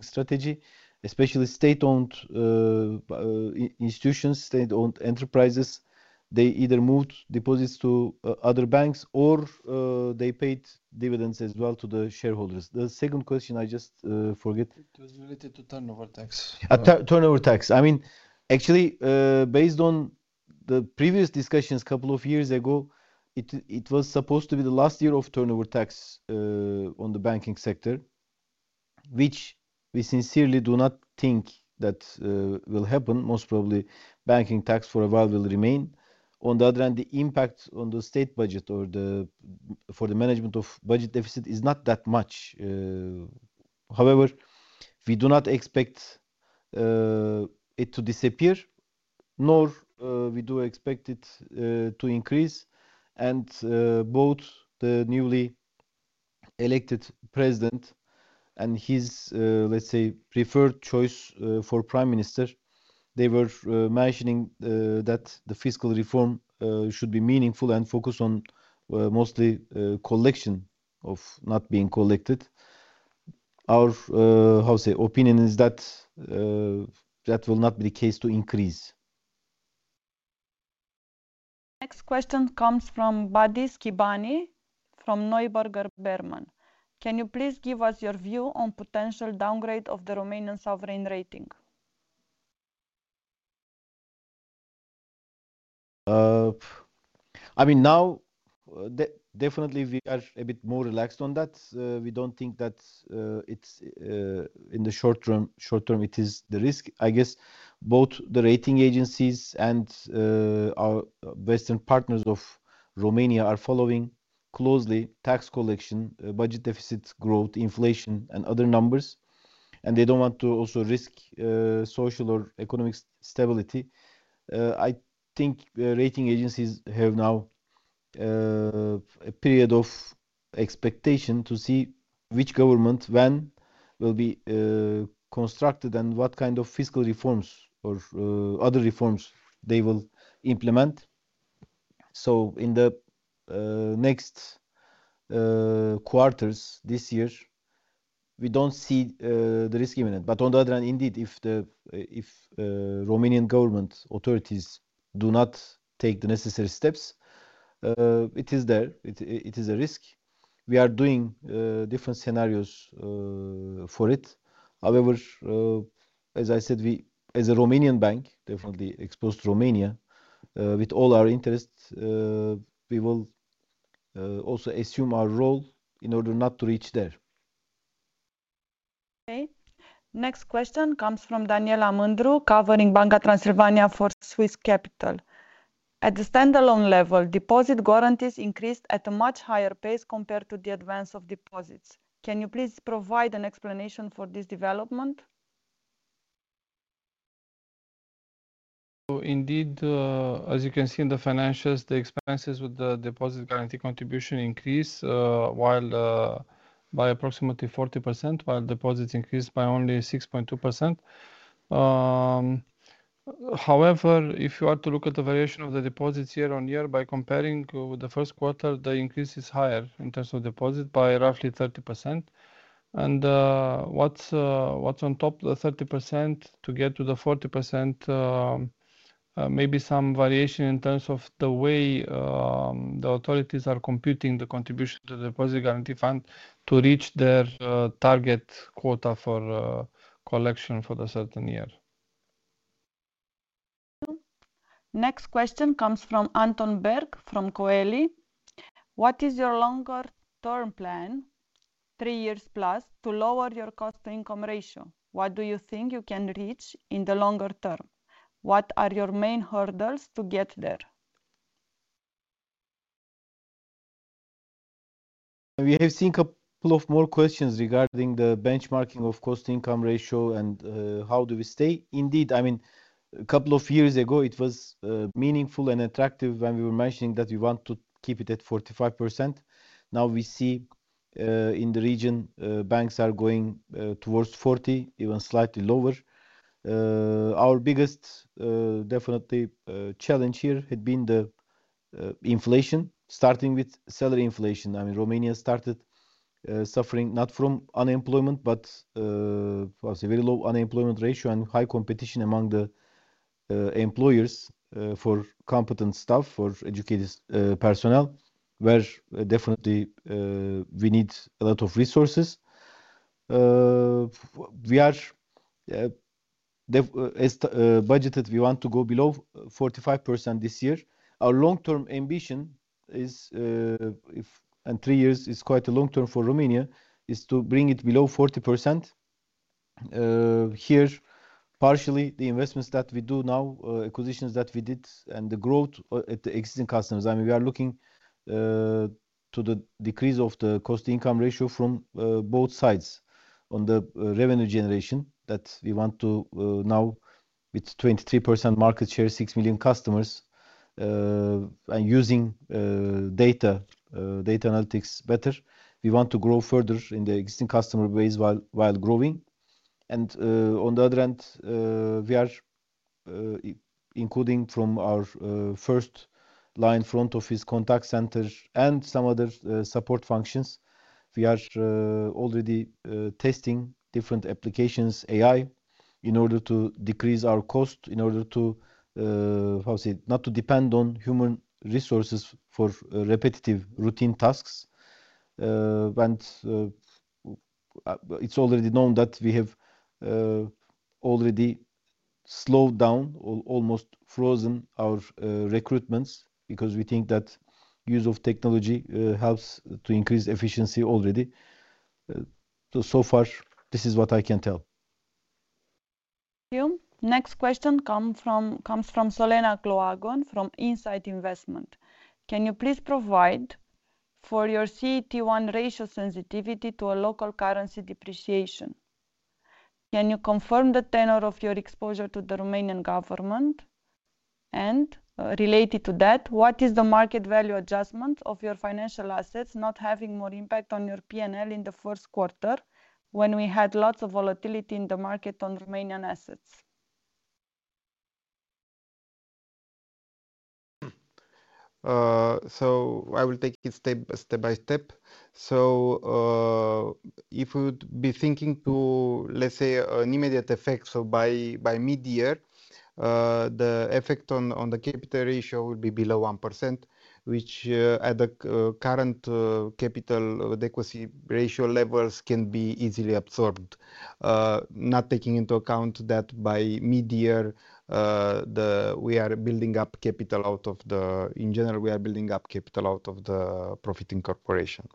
strategy, especially state-owned institutions, state-owned enterprises. They either moved deposits to other banks or they paid dividends as well to the shareholders. The second question I just forgot. It was related to turnover tax. Turnover tax. I mean, actually, based on the previous discussions a couple of years ago, it was supposed to be the last year of turnover tax on the banking sector, which we sincerely do not think that will happen. Most probably, banking tax for a while will remain. On the other hand, the impact on the state budget or for the management of budget deficit is not that much. However, we do not expect it to disappear, nor do we expect it to increase. Both the newly elected president and his, let's say, preferred choice for prime minister, they were mentioning that the fiscal reform should be meaningful and focus on mostly collection of not being collected. Our, how to say, opinion is that that will not be the case to increase. Next question comes from Badis Chibani from Neuberger Berman. Can you please give us your view on potential downgrade of the Romanian sovereign rating? I mean, now, definitely, we are a bit more relaxed on that. We don't think that in the short term, it is the risk. I guess both the rating agencies and our Western partners of Romania are following closely tax collection, budget deficit growth, inflation, and other numbers. They don't want to also risk social or economic stability. I think rating agencies have now a period of expectation to see which government, when will be constructed and what kind of fiscal reforms or other reforms they will implement. In the next quarters this year, we do not see the risk imminent. On the other hand, indeed, if the Romanian government authorities do not take the necessary steps, it is there. It is a risk. We are doing different scenarios for it. However, as I said, as a Romanian bank, definitely exposed to Romania, with all our interests, we will also assume our role in order not to reach there. Okay. Next question comes from Daniela Mândru, covering Banca Transilvania for Swiss Capital. At the standalone level, deposit guarantees increased at a much higher pace compared to the advance of deposits. Can you please provide an explanation for this development? Indeed, as you can see in the financials, the expenses with the deposit guarantee contribution increased by approximately 40%, while deposits increased by only 6.2%. However, if you are to look at the variation of the deposits year-on-year, by comparing with the first quarter, the increase is higher in terms of deposit by roughly 30%. What's on top of the 30% to get to the 40% may be some variation in terms of the way the authorities are computing the contribution to the deposit guarantee fund to reach their target quota for collection for the certain year. Next question comes from Anton Berg from Coeli. What is your longer-term plan, 3+ years, to lower your cost-to-income ratio? What do you think you can reach in the longer term? What are your main hurdles to get there? We have seen a couple of more questions regarding the benchmarking of cost-to-income ratio and how do we stay. Indeed, I mean, a couple of years ago, it was meaningful and attractive when we were mentioning that we want to keep it at 45%. Now we see in the region, banks are going towards 40%, even slightly lower. Our biggest, definitely, challenge here had been the inflation, starting with salary inflation. I mean, Romania started suffering not from unemployment, but a very low unemployment ratio and high competition among the employers for competent staff, for educated personnel, where definitely we need a lot of resources. We are budgeted, we want to go below 45% this year. Our long-term ambition, and three years is quite a long term for Romania, is to bring it below 40%. Here, partially, the investments that we do now, acquisitions that we did, and the growth at the existing customers. I mean, we are looking to the decrease of the cost-to-income ratio from both sides on the revenue generation that we want to now with 23% market share, 6 million customers. I mean, using data analytics better, we want to grow further in the existing customer base while growing. On the other hand, we are including from our first line front office, contact center, and some other support functions. We are already testing different applications, AI, in order to decrease our cost, in order to, how to say, not to depend on human resources for repetitive routine tasks. It is already known that we have already slowed down, almost frozen our recruitments because we think that use of technology helps to increase efficiency already. So far, this is what I can tell. Next question comes from Solena Gloaguen from Insight Investment. Can you please provide for your CET1 ratio sensitivity to a local currency depreciation? Can you confirm the tenor of your exposure to the Romanian government? Related to that, what is the market value adjustment of your financial assets not having more impact on your P&L in the first quarter when we had lots of volatility in the market on Romanian assets? I will take it step by step. If we would be thinking to, let's say, an immediate effect by mid-year, the effect on the capital ratio would be below 1%, which at the current capital adequacy ratio levels can be easily absorbed, not taking into account that by mid-year, we are building up capital out of the, in general, we are building up capital out of the profiting corporation.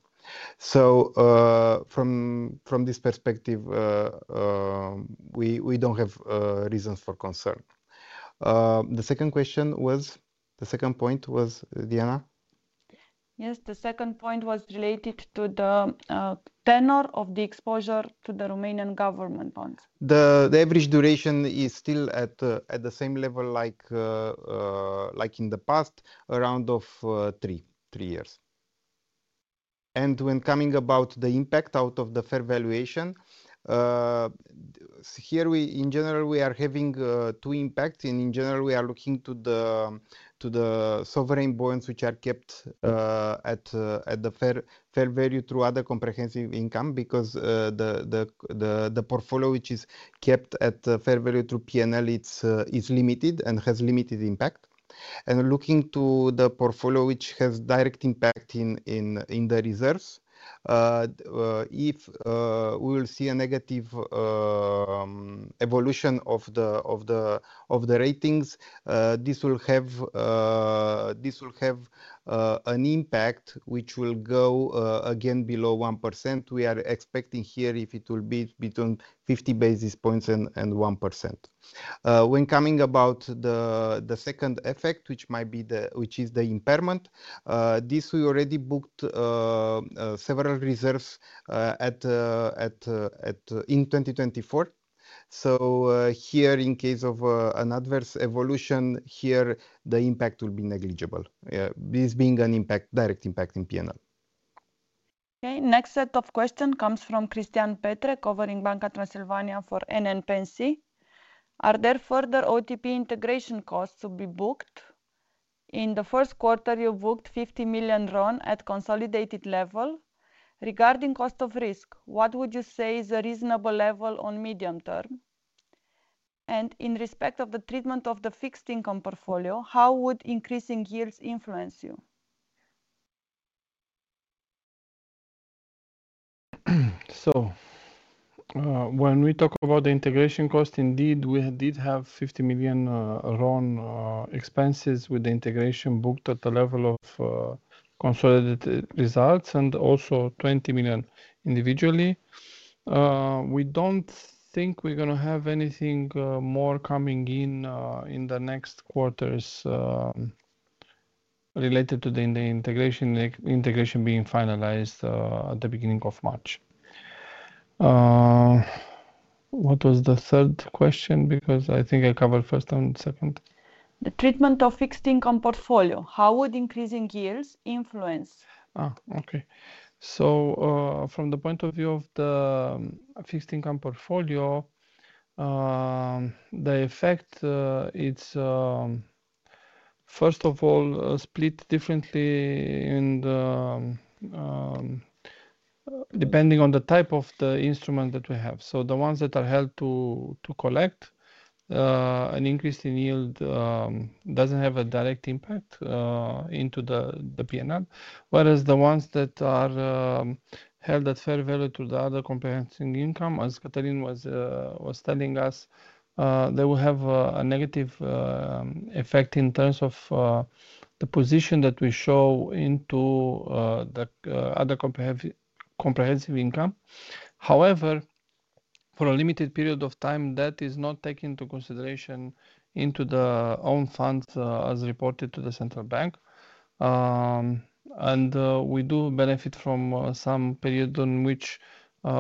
From this perspective, we do not have reasons for concern. The second question was, the second point was, Diana? Yes, the second point was related to the tenor of the exposure to the Romanian government bonds. The average duration is still at the same level like in the past, around three years. When coming about the impact out of the fair valuation, here, in general, we are having two impacts. In general, we are looking to the sovereign bonds, which are kept at the fair value through other comprehensive income because the portfolio, which is kept at fair value through P&L, is limited and has limited impact. Looking to the portfolio, which has direct impact in the reserves, if we will see a negative evolution of the ratings, this will have an impact which will go again below 1%. We are expecting here if it will be between 50 basis points and 1%. When coming about the second effect, which might be the, which is the impairment, this we already booked several reserves in 2024. Here, in case of an adverse evolution, the impact will be negligible. This being a direct impact in P&L. Next set of questions comes from Cristian Petre covering Banca Transilvania for NN Pensii. Are there further OTP integration costs to be booked? In the first quarter, you booked RON 50 million at consolidated level. Regarding cost of risk, what would you say is a reasonable level on medium term? And in respect of the treatment of the fixed income portfolio, how would increasing yields influence you? When we talk about the integration cost, indeed, we did have RON 50 million expenses with the integration booked at the level of consolidated results and also RON 20 million individually. We do not think we are going to have anything more coming in in the next quarters related to the integration being finalized at the beginning of March. What was the third question? Because I think I covered first and second. The treatment of fixed income portfolio, how would increasing yields influence? Okay. From the point of view of the fixed income portfolio, the effect is, first of all, split differently depending on the type of the instrument that we have. The ones that are held to collect, an increase in yield does not have a direct impact into the P&L. Whereas the ones that are held at fair value to the other comprehensive income, as Cătălin was telling us, they will have a negative effect in terms of the position that we show into the other comprehensive income. However, for a limited period of time, that is not taken into consideration into the own funds as reported to the central bank. We do benefit from some period in which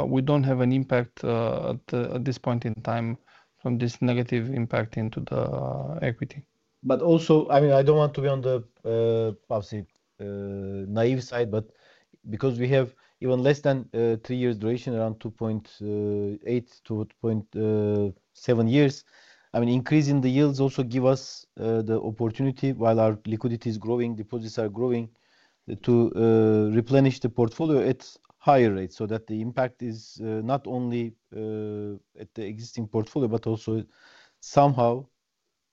we do not have an impact at this point in time from this negative impact into the equity. Also, I mean, I do not want to be on the, how to say, naive side, but because we have even less than three years duration, around 2.8 years-2.7 years, I mean, increasing the yields also gives us the opportunity while our liquidity is growing, deposits are growing to replenish the portfolio at higher rates so that the impact is not only at the existing portfolio, but also somehow,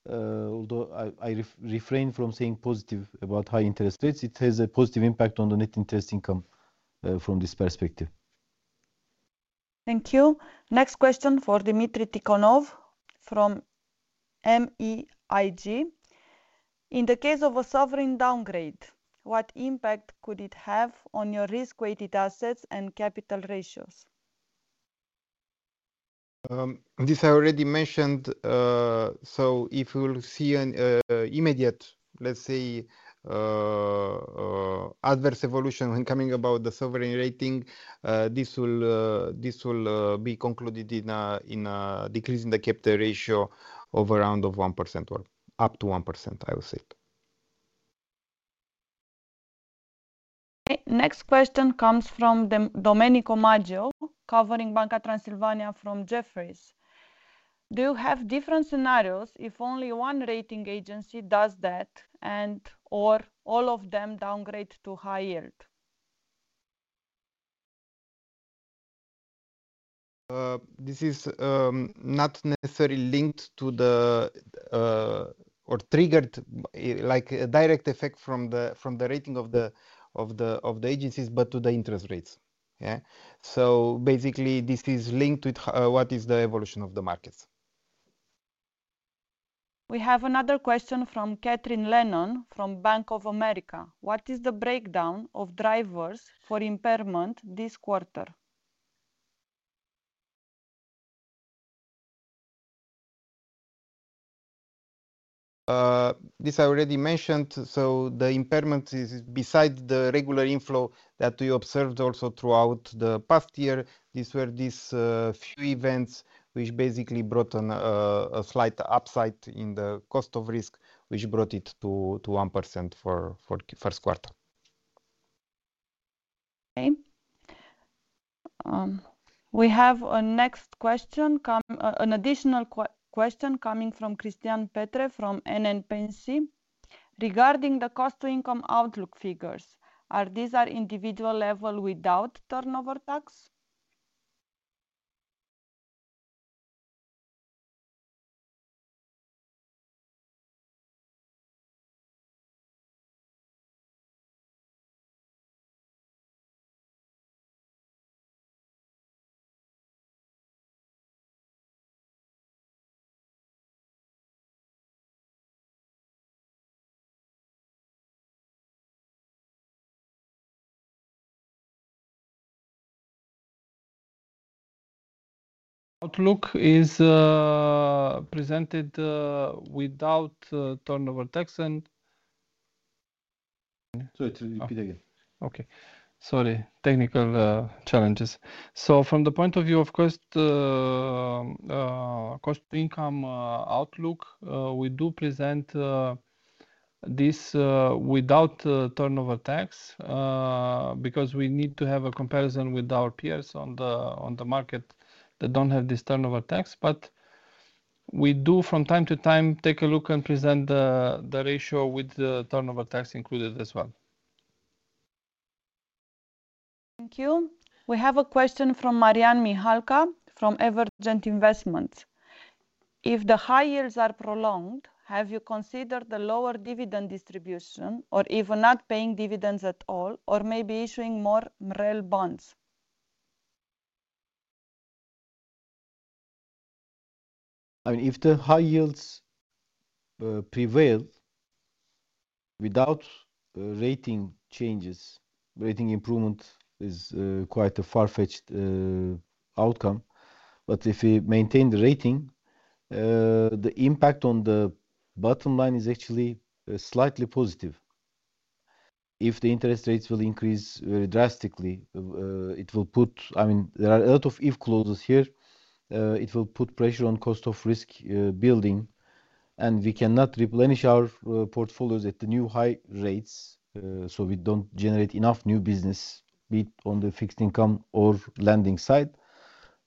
although I refrain from saying positive about high interest rates, it has a positive impact on the net interest income from this perspective. Thank you. Next question for Dmitri Tikhonov from MEIG. In the case of a sovereign downgrade, what impact could it have on your risk-weighted assets and capital ratios? This I already mentioned. If we will see an immediate, let's say, adverse evolution when coming about the sovereign rating, this will be concluded in a decrease in the capital ratio of around 1% or up to 1%, I would say. Next question comes from Domenico Maggio covering Banca Transilvania from Jefferies. Do you have different scenarios if only one rating agency does that and/or all of them downgrade to high yield? This is not necessarily linked to or triggered like a direct effect from the rating of the agencies, but to the interest rates. Yeah. Basically, this is linked with what is the evolution of the markets. We have another question from Kathryn Lennon from Bank of America. What is the breakdown of drivers for impairment this quarter? This I already mentioned. The impairment is beside the regular inflow that we observed also throughout the past year. These were these few events which basically brought a slight upside in the cost of risk, which brought it to 1% for first quarter. Okay. We have an additional question coming from Cristian Petre from NN Pensii regarding the cost-to-income outlook figures. Are these at individual level without turnover tax? Outlook is presented without turnover tax. Sorry, to repeat again. Okay. Sorry, technical challenges. From the point of view, of course, cost-to-income outlook, we do present this without turnover tax because we need to have a comparison with our peers on the market that do not have this turnover tax. We do, from time to time, take a look and present the ratio with the turnover tax included as well. Thank you. We have a question from Marianne Mihalka from Evert Gent Investments. If the high yields are prolonged, have you considered the lower dividend distribution or even not paying dividends at all, or maybe issuing more MREL bonds? I mean, if the high yields prevail without rating changes, rating improvement is quite a far-fetched outcome. If we maintain the rating, the impact on the bottom line is actually slightly positive. If the interest rates will increase very drastically, it will put, I mean, there are a lot of if clauses here. It will put pressure on cost of risk building. We cannot replenish our portfolios at the new high rates, so we do not generate enough new business, be it on the fixed income or lending side.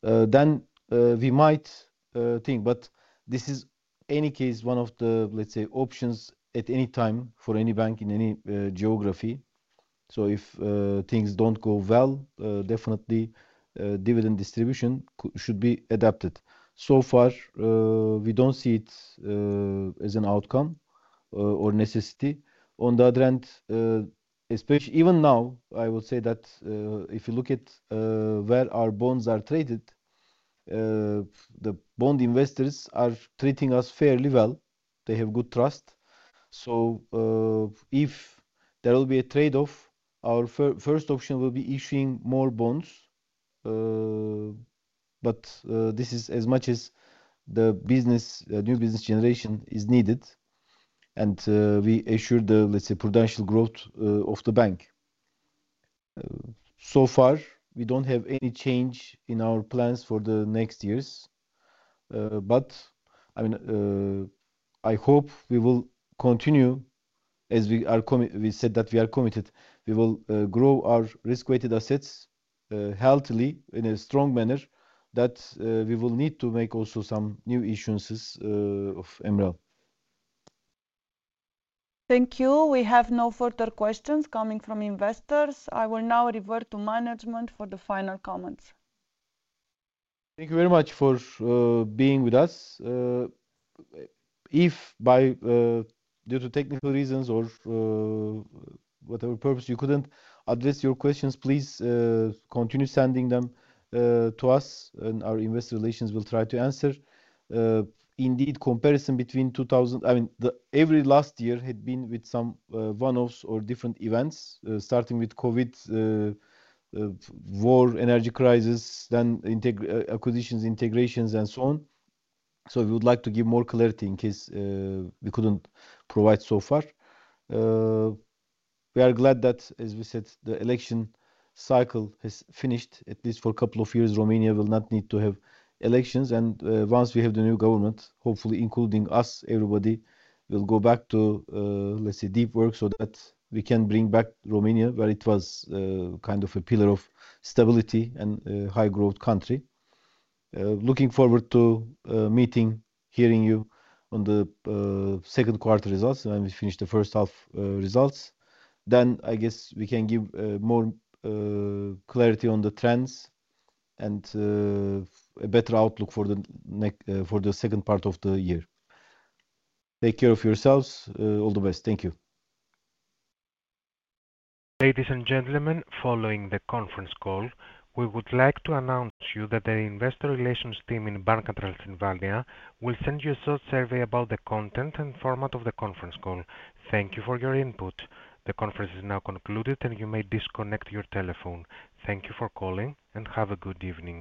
We might think, but this is, in any case, one of the, let's say, options at any time for any bank in any geography. If things do not go well, definitely dividend distribution should be adapted. So far, we do not see it as an outcome or necessity. On the other hand, especially even now, I would say that if you look at where our bonds are traded, the bond investors are treating us fairly well. They have good trust. If there will be a trade-off, our first option will be issuing more bonds. This is as much as the new business generation is needed. We assure the, let's say, prudential growth of the bank. So far, we do not have any change in our plans for the next years. I mean, I hope we will continue, as we said that we are committed, we will grow our risk-weighted assets healthily in a strong manner that we will need to make also some new issuances of MREL. Thank you. We have no further questions coming from investors. I will now revert to management for the final comments. Thank you very much for being with us. If, due to technical reasons or whatever purpose, you could not address your questions, please continue sending them to us, and our investor relations will try to answer. Indeed, comparison between 2000, I mean, every last year had been with some one-offs or different events, starting with COVID, war, energy crisis, then acquisitions, integrations, and so on. We would like to give more clarity in case we could not provide so far. We are glad that, as we said, the election cycle has finished, at least for a couple of years, Romania will not need to have elections. Once we have the new government, hopefully, including us, everybody will go back to, let's say, deep work so that we can bring back Romania where it was, kind of a pillar of stability and a high-growth country. Looking forward to meeting, hearing you on the second quarter results when we finish the first half results. I guess we can give more clarity on the trends and a better outlook for the second part of the year. Take care of yourselves. All the best. Thank you. Ladies and gentlemen, following the conference call, we would like to announce to you that the investor relations team in Banca Transilvania will send you a short survey about the content and format of the conference call. Thank you for your input. The conference is now concluded, and you may disconnect your telephone. Thank you for calling, and have a good evening.